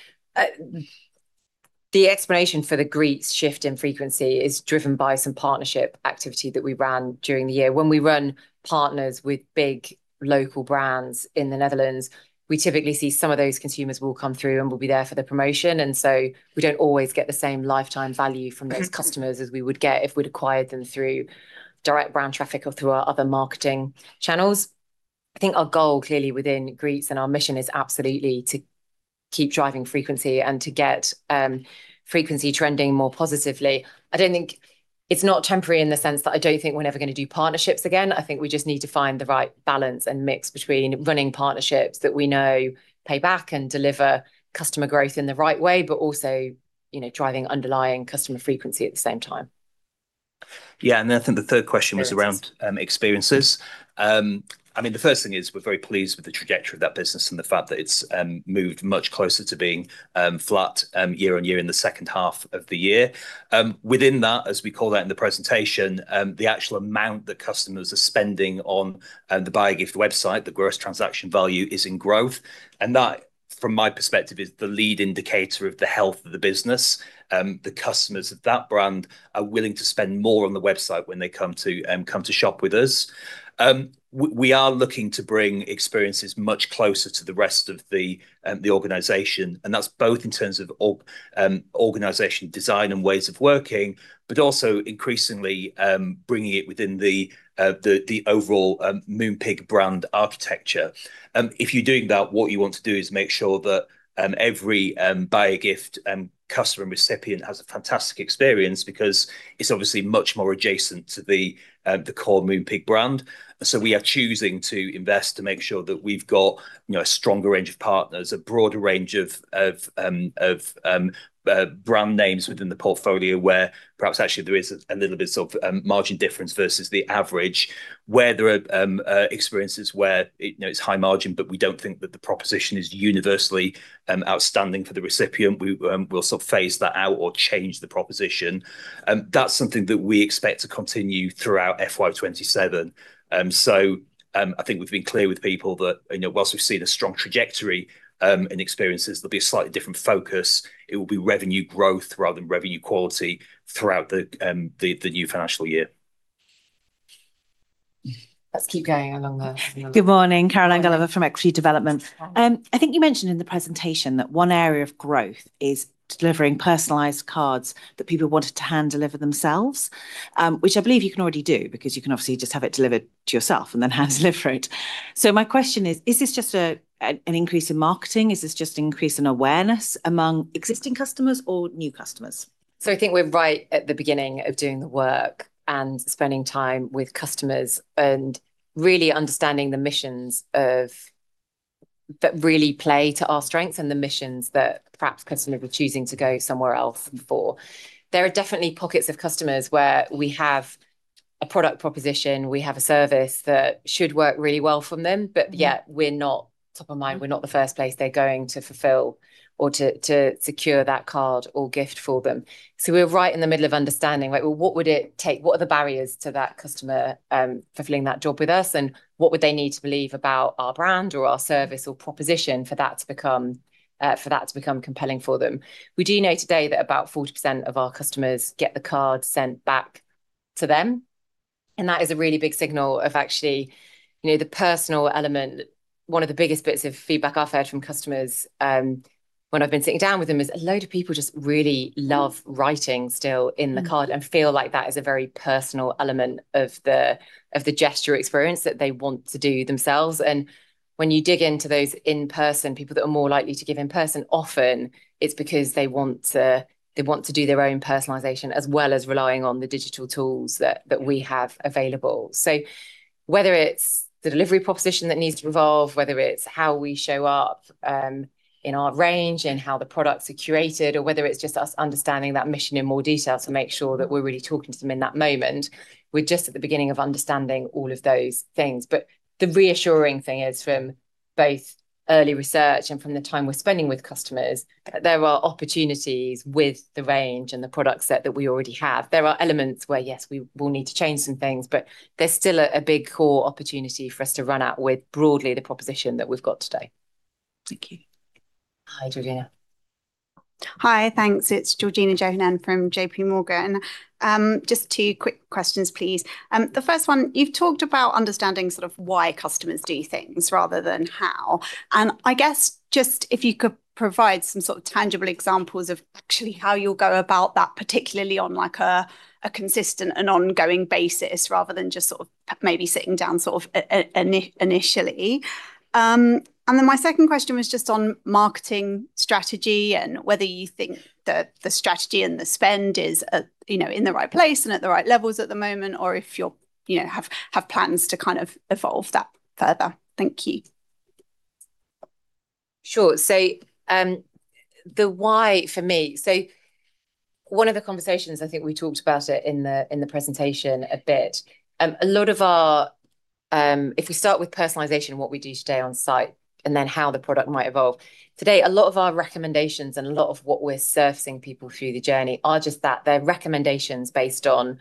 The explanation for the Greetz shift in frequency is driven by some partnership activity that we ran during the year. When we run partners with big local brands in the Netherlands, we typically see some of those consumers will come through and will be there for the promotion, we don't always get the same lifetime value from those customers as we would get if we'd acquired them through direct brand traffic or through our other marketing channels. I think our goal clearly within Greetz, and our mission, is absolutely to keep driving frequency and to get frequency trending more positively. It's not temporary in the sense that I don't think we're never going to do partnerships again. I think we just need to find the right balance and mix between running partnerships that we know pay back and deliver customer growth in the right way, but also driving underlying customer frequency at the same time. Yeah, then I think the third question was around Experiences. The first thing is we're very pleased with the trajectory of that business and the fact that it's moved much closer to being flat year-on-year in the second half of the year. Within that, as we call that in the presentation, the actual amount that customers are spending on the Buyagift website, the gross transaction value is in growth. That, from my perspective, is the lead indicator of the health of the business. The customers of that brand are willing to spend more on the website when they come to shop with us. We are looking to bring Experiences much closer to the rest of the organization. That's both in terms of organization design and ways of working, but also increasingly bringing it within the overall Moonpig brand architecture. If you're doing that, what you want to do is make sure that every Buyagift customer recipient has a fantastic experience, because it's obviously much more adjacent to the core Moonpig brand. We are choosing to invest to make sure that we've got a stronger range of partners, a broader range of brand names within the portfolio, where perhaps actually there is a little bit of margin difference versus the average. Where there are Experiences where it's high margin, but we don't think that the proposition is universally outstanding for the recipient, we'll sort of phase that out or change the proposition. That's something that we expect to continue throughout FY 2027. I think we've been clear with people that whilst we've seen a strong trajectory in Experiences, there'll be a slightly different focus. It will be revenue growth rather than revenue quality throughout the new financial year. Let's keep going. Good morning. Caroline Gulliver from Equity Development. I think you mentioned in the presentation that one area of growth is delivering personalized cards that people wanted to hand deliver themselves, which I believe you can already do, because you can obviously just have it delivered to yourself and then hand deliver it. My question is: Is this just an increase in marketing? Is this just an increase in awareness among existing customers or new customers? I think we're right at the beginning of doing the work and spending time with customers and really understanding the missions that really play to our strengths and the missions that perhaps customers were choosing to go somewhere else for. There are definitely pockets of customers where we have a product proposition, we have a service that should work really well from them, but yet we're not top of mind. We're not the first place they're going to fulfill or to secure that card or gift for them. We're right in the middle of understanding, what would it take? What are the barriers to that customer fulfilling that job with us, and what would they need to believe about our brand or our service or proposition for that to become compelling for them? We do know today that about 40% of our customers get the card sent back to them, that is a really big signal of actually the personal element. One of the biggest bits of feedback I've heard from customers when I've been sitting down with them is a load of people just really love writing still in the card and feel like that is a very personal element of the gesture experience that they want to do themselves. When you dig into those in-person, people that are more likely to give in person, often it's because they want to do their own personalization, as well as relying on the digital tools that we have available. Whether it's the delivery proposition that needs to evolve, whether it's how we show up in our range and how the products are curated, or whether it's just us understanding that mission in more detail to make sure that we're really talking to them in that moment. We're just at the beginning of understanding all of those things. The reassuring thing is, from both early research and from the time we're spending with customers, there are opportunities with the range and the product set that we already have. There are elements where, yes, we will need to change some things, but there's still a big core opportunity for us to run out with, broadly, the proposition that we've got today. Thank you. Hi, Georgina. Hi. Thanks. It's Georgina Johanan from JPMorgan. Just two quick questions, please. The first one, you've talked about understanding sort of why customers do things rather than how. I guess, just if you could provide some sort of tangible examples of actually how you'll go about that, particularly on a consistent and ongoing basis, rather than just sort of maybe sitting down sort of initially. My second question was just on marketing strategy and whether you think that the strategy and the spend is in the right place and at the right levels at the moment, or if you have plans to kind of evolve that further. Thank you. Sure. The why for me, one of the conversations, I think we talked about it in the presentation a bit. If we start with personalization, what we do today on site, how the product might evolve. Today, a lot of our recommendations and a lot of what we're servicing people through the journey are just that. They're recommendations based on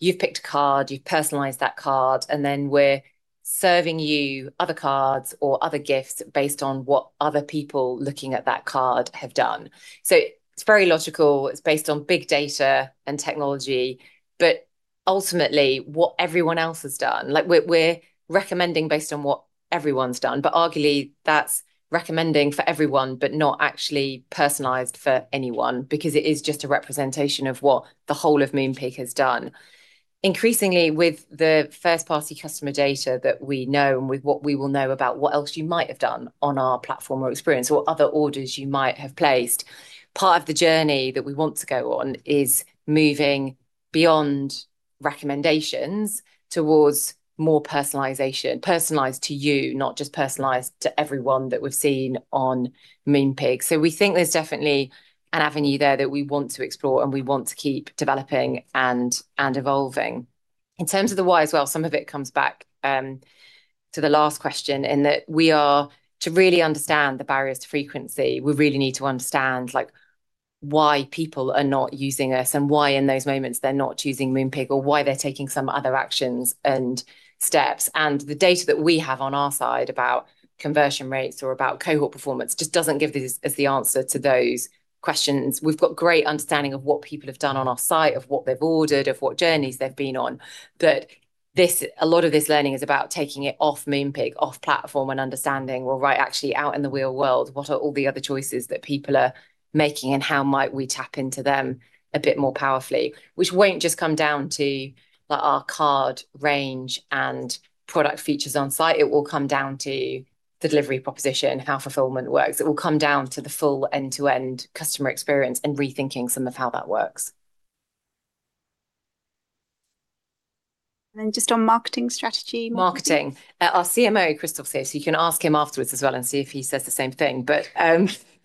you've picked a card, you've personalized that card, we're serving you other cards or other gifts based on what other people looking at that card have done. It's very logical. It's based on big data and technology, ultimately what everyone else has done, we're recommending based on what everyone's done. Arguably that's recommending for everyone, not actually personalized for anyone because it is just a representation of what the whole of Moonpig has done. Increasingly, with the first-party customer data that we know and with what we will know about what else you might have done on our platform or experience or what other orders you might have placed, part of the journey that we want to go on is moving beyond recommendations towards more personalization, personalized to you, not just personalized to everyone that we've seen on Moonpig. We think there's definitely an avenue there that we want to explore and we want to keep developing and evolving. In terms of the why as well, some of it comes back to the last question, to really understand the barriers to frequency, we really need to understand why people are not using us and why in those moments they're not choosing Moonpig, or why they're taking some other actions and steps. The data that we have on our side about conversion rates or about cohort performance just doesn't give us the answer to those questions. We've got great understanding of what people have done on our site, of what they've ordered, of what journeys they've been on. A lot of this learning is about taking it off Moonpig, off platform, and understanding, well, right, actually out in the real world, what are all the other choices that people are making, and how might we tap into them a bit more powerfully? Which won't just come down to our card range and product features on site. It will come down to the delivery proposition, how fulfillment works. It will come down to the full end-to-end customer experience and rethinking some of how that works. Just on marketing strategy. Marketing. Our CMO, Kristof's here, so you can ask him afterwards as well and see if he says the same thing.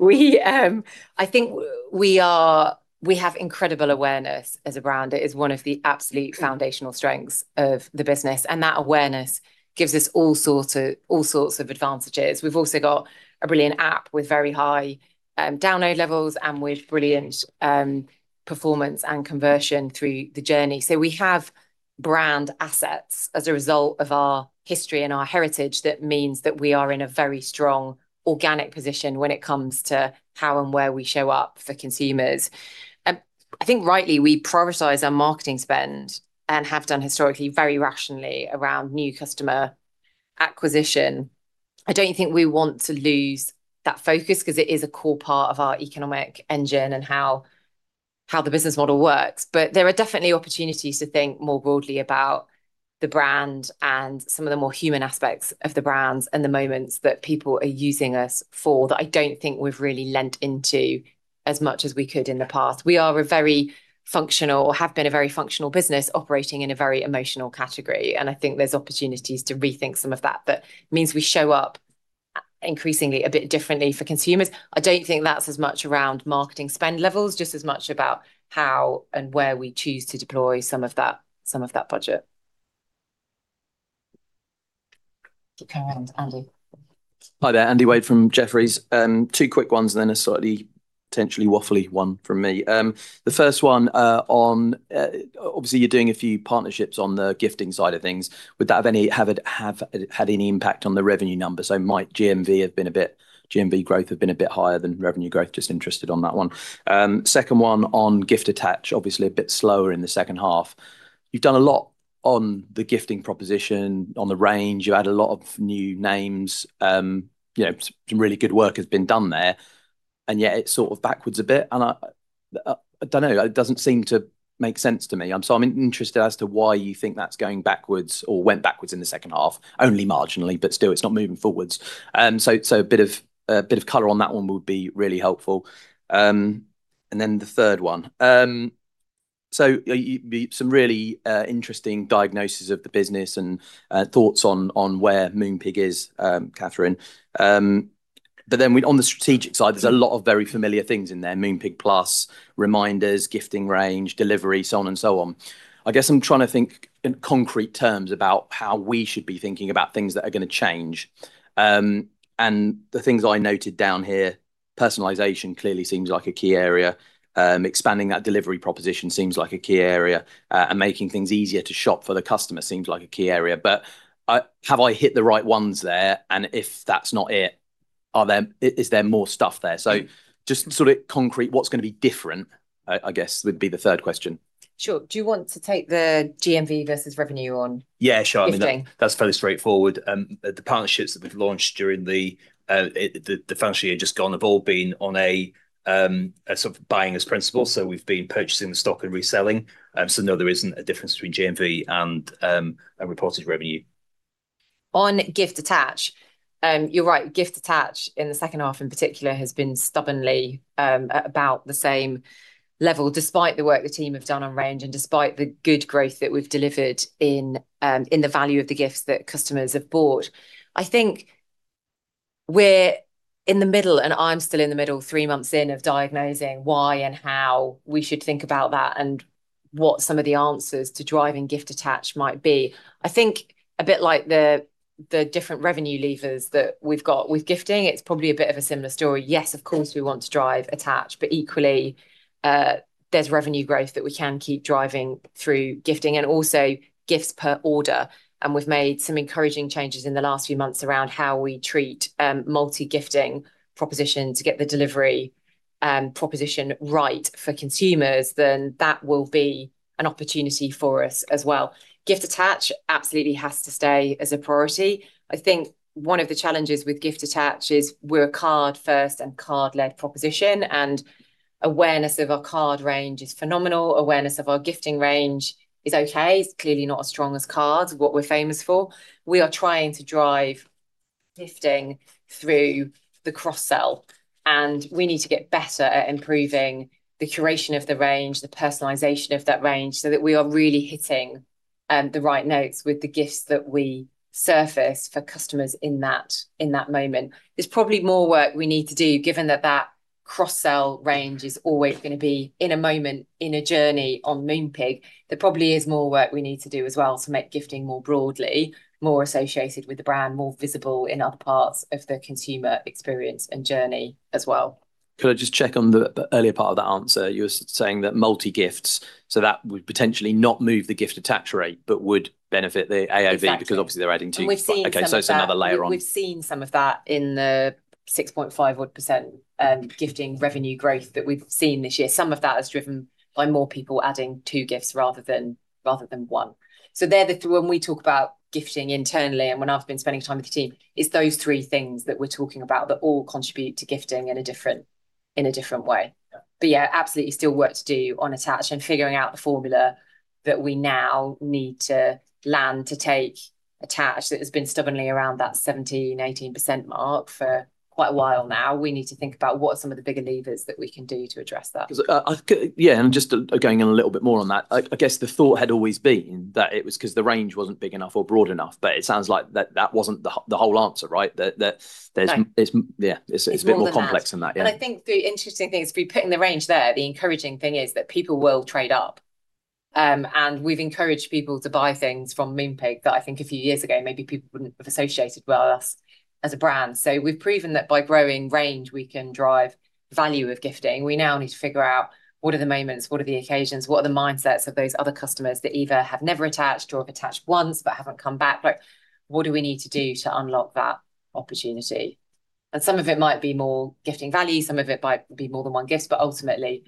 I think we have incredible awareness as a brand. It is one of the absolute foundational strengths of the business, and that awareness gives us all sorts of advantages. We've also got a brilliant app with very high download levels and with brilliant performance and conversion through the journey. We have brand assets as a result of our history and our heritage. That means that we are in a very strong organic position when it comes to how and where we show up for consumers. I think rightly, we prioritize our marketing spend and have done historically very rationally around new customer acquisition. I don't think we want to lose that focus because it is a core part of our economic engine and how the business model works. There are definitely opportunities to think more broadly about the brand and some of the more human aspects of the brand and the moments that people are using us for that I don't think we've really leant into as much as we could in the past. We are a very functional or have been a very functional business operating in a very emotional category, and I think there's opportunities to rethink some of that. That means we show up increasingly a bit differently for consumers. I don't think that's as much around marketing spend levels, just as much about how and where we choose to deploy some of that budget. Go around. Andy. Hi there. Andy Wade from Jefferies. Two quick ones and then a slightly potentially waffley one from me. The first one, obviously you're doing a few partnerships on the gifting side of things. Would that have had any impact on the revenue numbers? Might GMV growth have been a bit higher than revenue growth? Just interested on that one. Second one on gift attach. Obviously, a bit slower in the second half. You've done a lot on the gifting proposition, on the range, you add a lot of new names. Some really good work has been done there, and yet it's sort of backwards a bit, and I don't know. It doesn't seem to make sense to me. I'm interested as to why you think that's going backwards or went backwards in the second half, only marginally, but still, it's not moving forwards. A bit of color on that one would be really helpful. The third one. Some really interesting diagnoses of the business and thoughts on where Moonpig is, Catherine. On the strategic side, there's a lot of very familiar things in there, Moonpig Plus, Reminders, gifting range, delivery, so on and so on. I guess I'm trying to think in concrete terms about how we should be thinking about things that are going to change. The things I noted down here, personalization clearly seems like a key area. Expanding that delivery proposition seems like a key area, and making things easier to shop for the customer seems like a key area. Have I hit the right ones there? If that's not it, is there more stuff there? Just sort of concrete, what's going to be different, I guess, would be the third question. Sure. Do you want to take the GMV versus revenue on- Yeah, sure gifting? I mean, that's fairly straightforward. The partnerships that we've launched during the financial year just gone have all been on a sort of buying as principal. We've been purchasing the stock and reselling. No, there isn't a difference between GMV and reported revenue. On gift attach, you're right. Gift attach, in the second half in particular, has been stubbornly at about the same level, despite the work the team have done on range and despite the good growth that we've delivered in the value of the gifts that customers have bought. I think we're in the middle, and I'm still in the middle, three months in, of diagnosing why and how we should think about that, and what some of the answers to driving gift attach might be. I think a bit like the different revenue levers that we've got with gifting, it's probably a bit of a similar story. Yes, of course we want to drive attach, equally, there's revenue growth that we can keep driving through gifting, and also gifts per order. We've made some encouraging changes in the last few months around how we treat multi-gifting proposition to get the delivery proposition right for consumers, then that will be an opportunity for us as well. Gift attach absolutely has to stay as a priority. I think one of the challenges with gift attach is we're a card first and card-led proposition, and awareness of our card range is phenomenal. Awareness of our gifting range is okay. It's clearly not as strong as cards, what we're famous for. We are trying to drive gifting through the cross-sell, we need to get better at improving the curation of the range, the personalization of that range, so that we are really hitting the right notes with the gifts that we surface for customers in that moment. There's probably more work we need to do, given that that cross-sell range is always going to be in a moment, in a journey on Moonpig. There probably is more work we need to do as well to make gifting more broadly more associated with the brand, more visible in other parts of the consumer experience and journey as well. Could I just check on the earlier part of that answer? You were saying that multi gifts, so that would potentially not move the gift attach rate but would benefit the AOV. Exactly because obviously they're adding two. We've seen some of that. Okay, it's another layer on. We've seen some of that in the 6.5% odd gifting revenue growth that we've seen this year. Some of that is driven by more people adding two gifts rather than one. When we talk about gifting internally and when I've been spending time with the team, it's those three things that we're talking about that all contribute to gifting in a different way. Yeah, absolutely still work to do on attach and figuring out the formula that we now need to land to take attach that has been stubbornly around that 17%, 18% mark for quite a while now. We need to think about what some of the bigger levers that we can do to address that. Yeah, just going in a little bit more on that. I guess the thought had always been that it was because the range wasn't big enough or broad enough, but it sounds like that wasn't the whole answer, right? That there's No Yeah, it's It's more than that a bit more complex than that. Yeah. I think the interesting thing is if we put in the range there, the encouraging thing is that people will trade up. We've encouraged people to buy things from Moonpig that I think a few years ago, maybe people wouldn't have associated with us as a brand. We've proven that by growing range, we can drive value of gifting. We now need to figure out what are the moments, what are the occasions, what are the mindsets of those other customers that either have never attached or have attached once but haven't come back. What do we need to do to unlock that opportunity? Some of it might be more gifting value, some of it might be more than one gift, ultimately,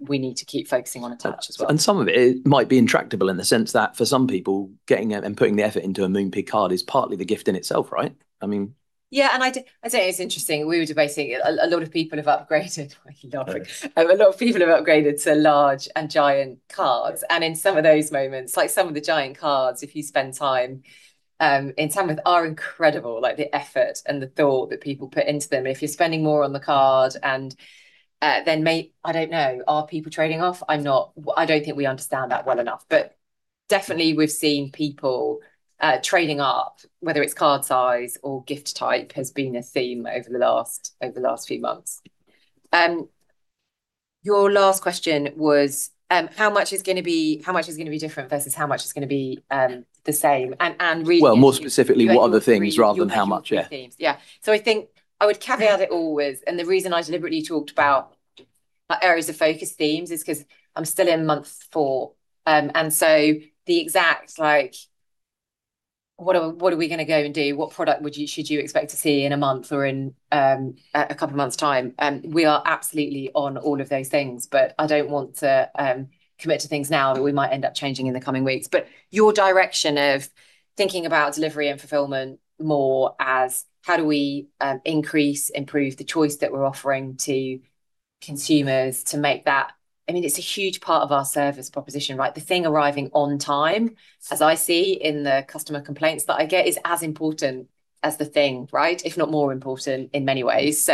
we need to keep focusing on attach as well. Some of it might be intractable in the sense that for some people, getting and putting the effort into a Moonpig card is partly the gift in itself, right? I mean. Yeah, I'd say it's interesting. We were debating, a lot of people have upgraded, like large. A lot of people have upgraded to large and giant cards, in some of those moments, like some of the giant cards, if you spend time, in some are incredible, like the effort and the thought that people put into them. If you're spending more on the card, and then may, I don't know. Are people trading off? I don't think we understand that well enough. Definitely, we've seen people trading up, whether it's card size or gift type, has been a theme over the last few months. Your last question was, how much is going to be different versus how much is going to be the same. Well, more specifically, what are the things rather than how much. Yeah. Yeah. I think I would caveat it all with, and the reason I deliberately talked about areas of focus themes is because I'm still in month four. The exact like What are we going to go and do? What product should you expect to see in a month or in a couple of months' time? We are absolutely on all of those things, but I don't want to commit to things now that we might end up changing in the coming weeks. Your direction of thinking about delivery and fulfillment more as how do we increase, improve the choice that we're offering to consumers to make that. It's a huge part of our service proposition. The thing arriving on time, as I see in the customer complaints that I get, is as important as the thing, if not more important in many ways.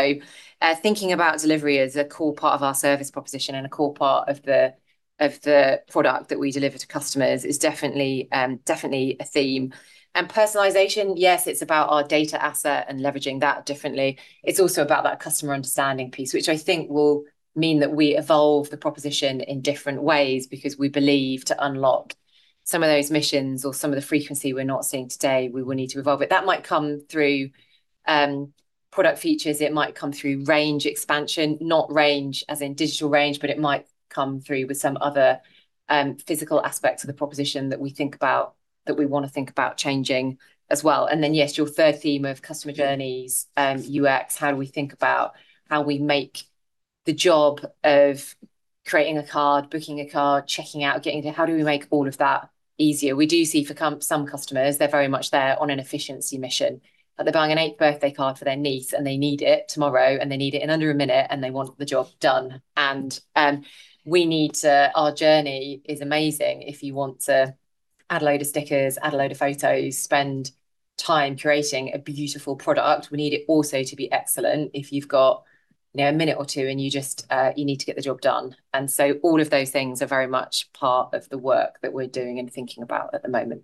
Thinking about delivery as a core part of our service proposition and a core part of the product that we deliver to customers is definitely a theme. Personalization, yes, it's about our data asset and leveraging that differently. It's also about that customer understanding piece, which I think will mean that we evolve the proposition in different ways because we believe to unlock some of those missions or some of the frequency we're not seeing today, we will need to evolve it. That might come through product features, it might come through range expansion. Not range as in digital range, but it might come through with some other physical aspects of the proposition that we want to think about changing as well. Then, yes, your third theme of customer journeys, UX. How do we think about how we make the job of creating a card, booking a card, checking out, How do we make all of that easier? We do see for some customers, they're very much there on an efficiency mission. They're buying an eighth birthday card for their niece and they need it tomorrow, and they need it in under a minute, and they want the job done. Our journey is amazing if you want to add a load of stickers, add a load of photos, spend time creating a beautiful product. We need it also to be excellent if you've got a minute or two and you need to get the job done. All of those things are very much part of the work that we're doing and thinking about at the moment.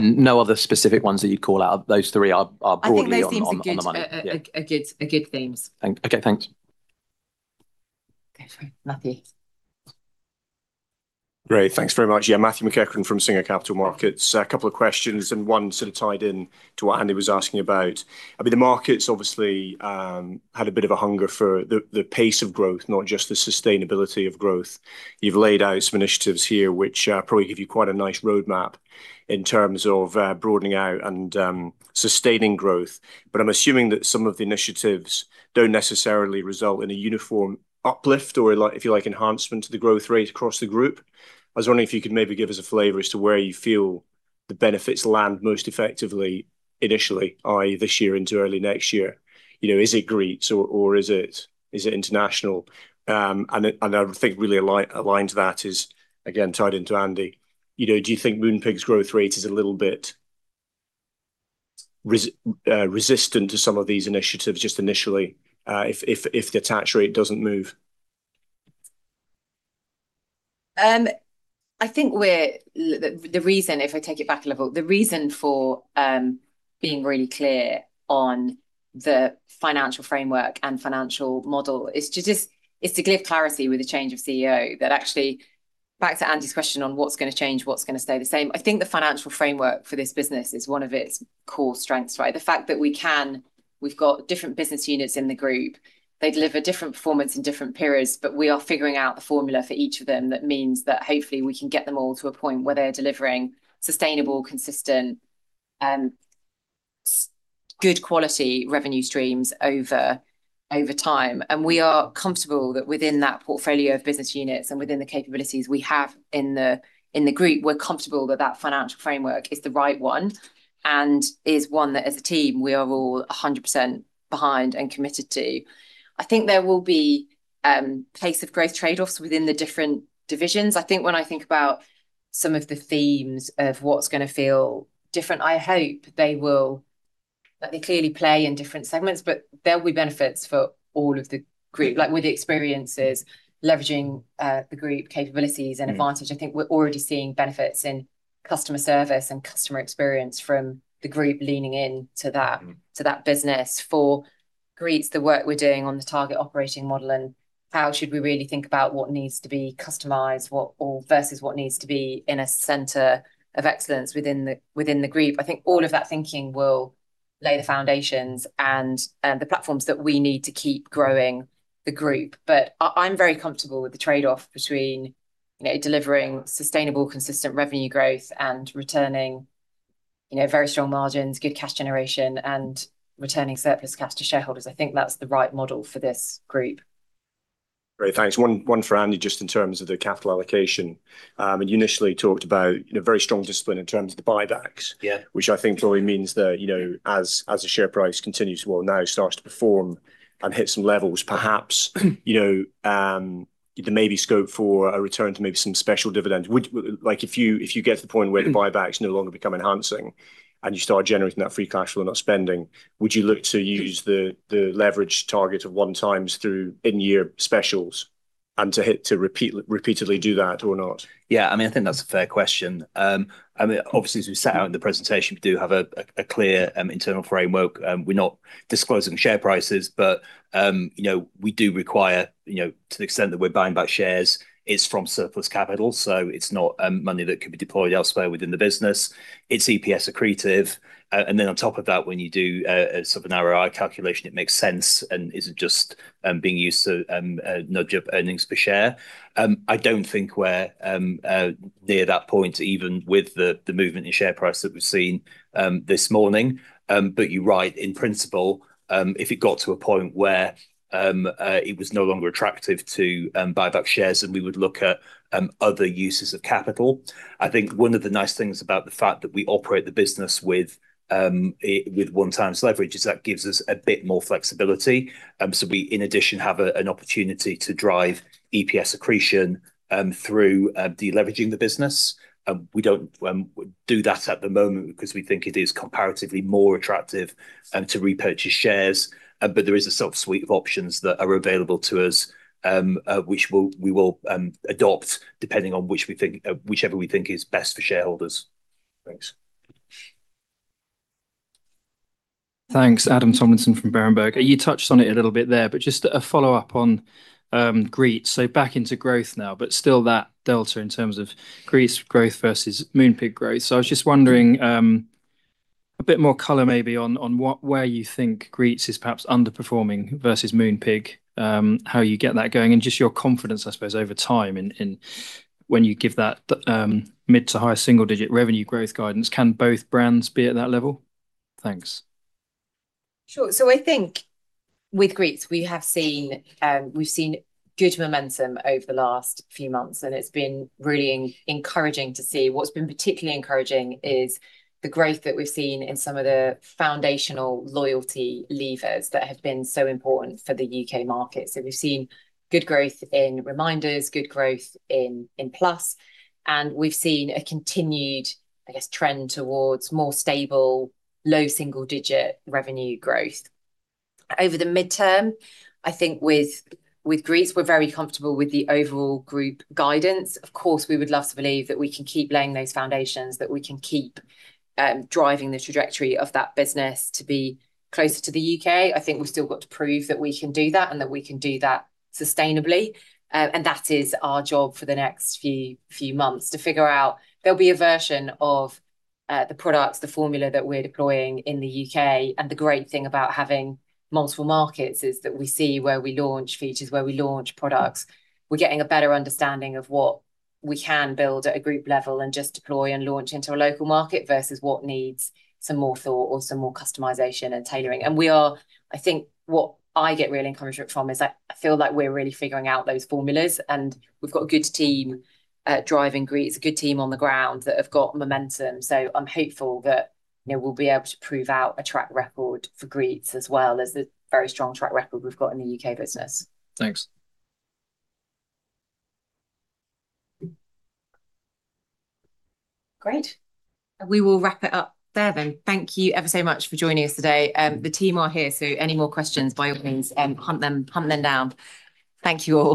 No other specific ones that you would call out? Those three are broadly on the money. Yeah. I think those seem good themes. Okay, thanks. Go for it, Matthew. Great. Thanks very much. Yeah, Matthew McEachran from Singer Capital Markets. A couple of questions and one sort of tied in to what Andy was asking about. The market's obviously had a bit of a hunger for the pace of growth, not just the sustainability of growth. You've laid out some initiatives here which probably give you quite a nice roadmap in terms of broadening out and sustaining growth. I'm assuming that some of the initiatives don't necessarily result in a uniform uplift or, if you like, enhancement to the growth rate across the group. I was wondering if you could maybe give us a flavor as to where you feel the benefits land most effectively initially, i.e., this year into early next year. Is it Greetz or is it international? I think really aligns that is again tied into Andy. Do you think Moonpig's growth rate is a little bit resistant to some of these initiatives just initially, if the attach rate doesn't move? If I take it back a level, the reason for being really clear on the financial framework and financial model is to give clarity with the change of CEO that actually, back to Andy's question on what's going to change, what's going to stay the same. I think the financial framework for this business is one of its core strengths, the fact that we've got different business units in the group. They deliver different performance in different periods, but we are figuring out the formula for each of them that means that hopefully we can get them all to a point where they're delivering sustainable, consistent, good quality revenue streams over time. We are comfortable that within that portfolio of business units and within the capabilities we have in the group, we're comfortable that that financial framework is the right one, and is one that as a team we are all 100% behind and committed to. I think there will be pace of growth trade-offs within the different divisions. I think when I think about some of the themes of what's going to feel different, I hope that they clearly play in different segments, but there'll be benefits for all of the group, like with the Experiences, leveraging the group capabilities and advantage. I think we're already seeing benefits in customer service and customer experience from the group leaning into that business. For Greetz, the work we're doing on the target operating model, how should we really think about what needs to be customized versus what needs to be in a center of excellence within the group. I think all of that thinking will lay the foundations and the platforms that we need to keep growing the group. I'm very comfortable with the trade-off between delivering sustainable, consistent revenue growth and returning very strong margins, good cash generation, and returning surplus cash to shareholders. I think that's the right model for this group. Great. Thanks. One for Andy, just in terms of the capital allocation. You initially talked about very strong discipline in terms of the buybacks. Yeah. Which I think probably means that as the share price continues, well now starts to perform and hit some levels perhaps, there may be scope for a return to maybe some special dividends. If you get to the point where the buybacks no longer become enhancing and you start generating that free cash flow, not spending, would you look to use the leverage target of 1x through in year specials? To repeatedly do that or not? Yeah, I think that's a fair question. Obviously, as we set out in the presentation, we do have a clear internal framework. We're not disclosing share prices, we do require, to the extent that we're buying back shares, it's from surplus capital, so it's not money that could be deployed elsewhere within the business. It's EPS accretive. Then on top of that, when you do a sort of an ROI calculation, it makes sense and isn't just being used to nudge up earnings per share. I don't think we're near that point, even with the movement in share price that we've seen this morning. You're right, in principle, if it got to a point where it was no longer attractive to buy back shares, then we would look at other uses of capital. I think one of the nice things about the fact that we operate the business with 1x leverage is that gives us a bit more flexibility. We, in addition, have an opportunity to drive EPS accretion through deleveraging the business. We don't do that at the moment because we think it is comparatively more attractive to repurchase shares, there is a sort of suite of options that are available to us, which we will adopt depending on whichever we think is best for shareholders. Thanks. Thanks. Adam Tomlinson from Berenberg. You touched on it a little bit there, just a follow-up on Greetz. Back into growth now, still that delta in terms of Greetz growth versus Moonpig growth. I was just wondering, a bit more color maybe on where you think Greetz is perhaps underperforming versus Moonpig, how you get that going, and just your confidence, I suppose, over time in when you give that mid-to-high single-digit revenue growth guidance. Can both brands be at that level? Thanks. Sure. I think with Greetz, we have seen good momentum over the last few months, and it's been really encouraging to see. What's been particularly encouraging is the growth that we've seen in some of the foundational loyalty levers that have been so important for the U.K. market. We've seen good growth in Reminders, good growth in Plus, and we've seen a continued, I guess, trend towards more stable, low single-digit revenue growth. Over the midterm, I think with Greetz, we're very comfortable with the overall group guidance. Of course, we would love to believe that we can keep laying those foundations, that we can keep driving the trajectory of that business to be closer to the U.K. I think we've still got to prove that we can do that, and that we can do that sustainably. That is our job for the next few months, to figure out there'll be a version of the products, the formula that we're deploying in the U.K. The great thing about having multiple markets is that we see where we launch features, where we launch products. We're getting a better understanding of what we can build at a group level and just deploy and launch into a local market versus what needs some more thought or some more customization and tailoring. We are, I think what I get real encouragement from, is I feel like we're really figuring out those formulas, and we've got a good team driving Greetz, a good team on the ground that have got momentum. I'm hopeful that we'll be able to prove out a track record for Greetz as well as the very strong track record we've got in the U.K. business. Thanks. Great. We will wrap it up there then. Thank you ever so much for joining us today. The team are here, any more questions, by all means, hunt them down. Thank you all.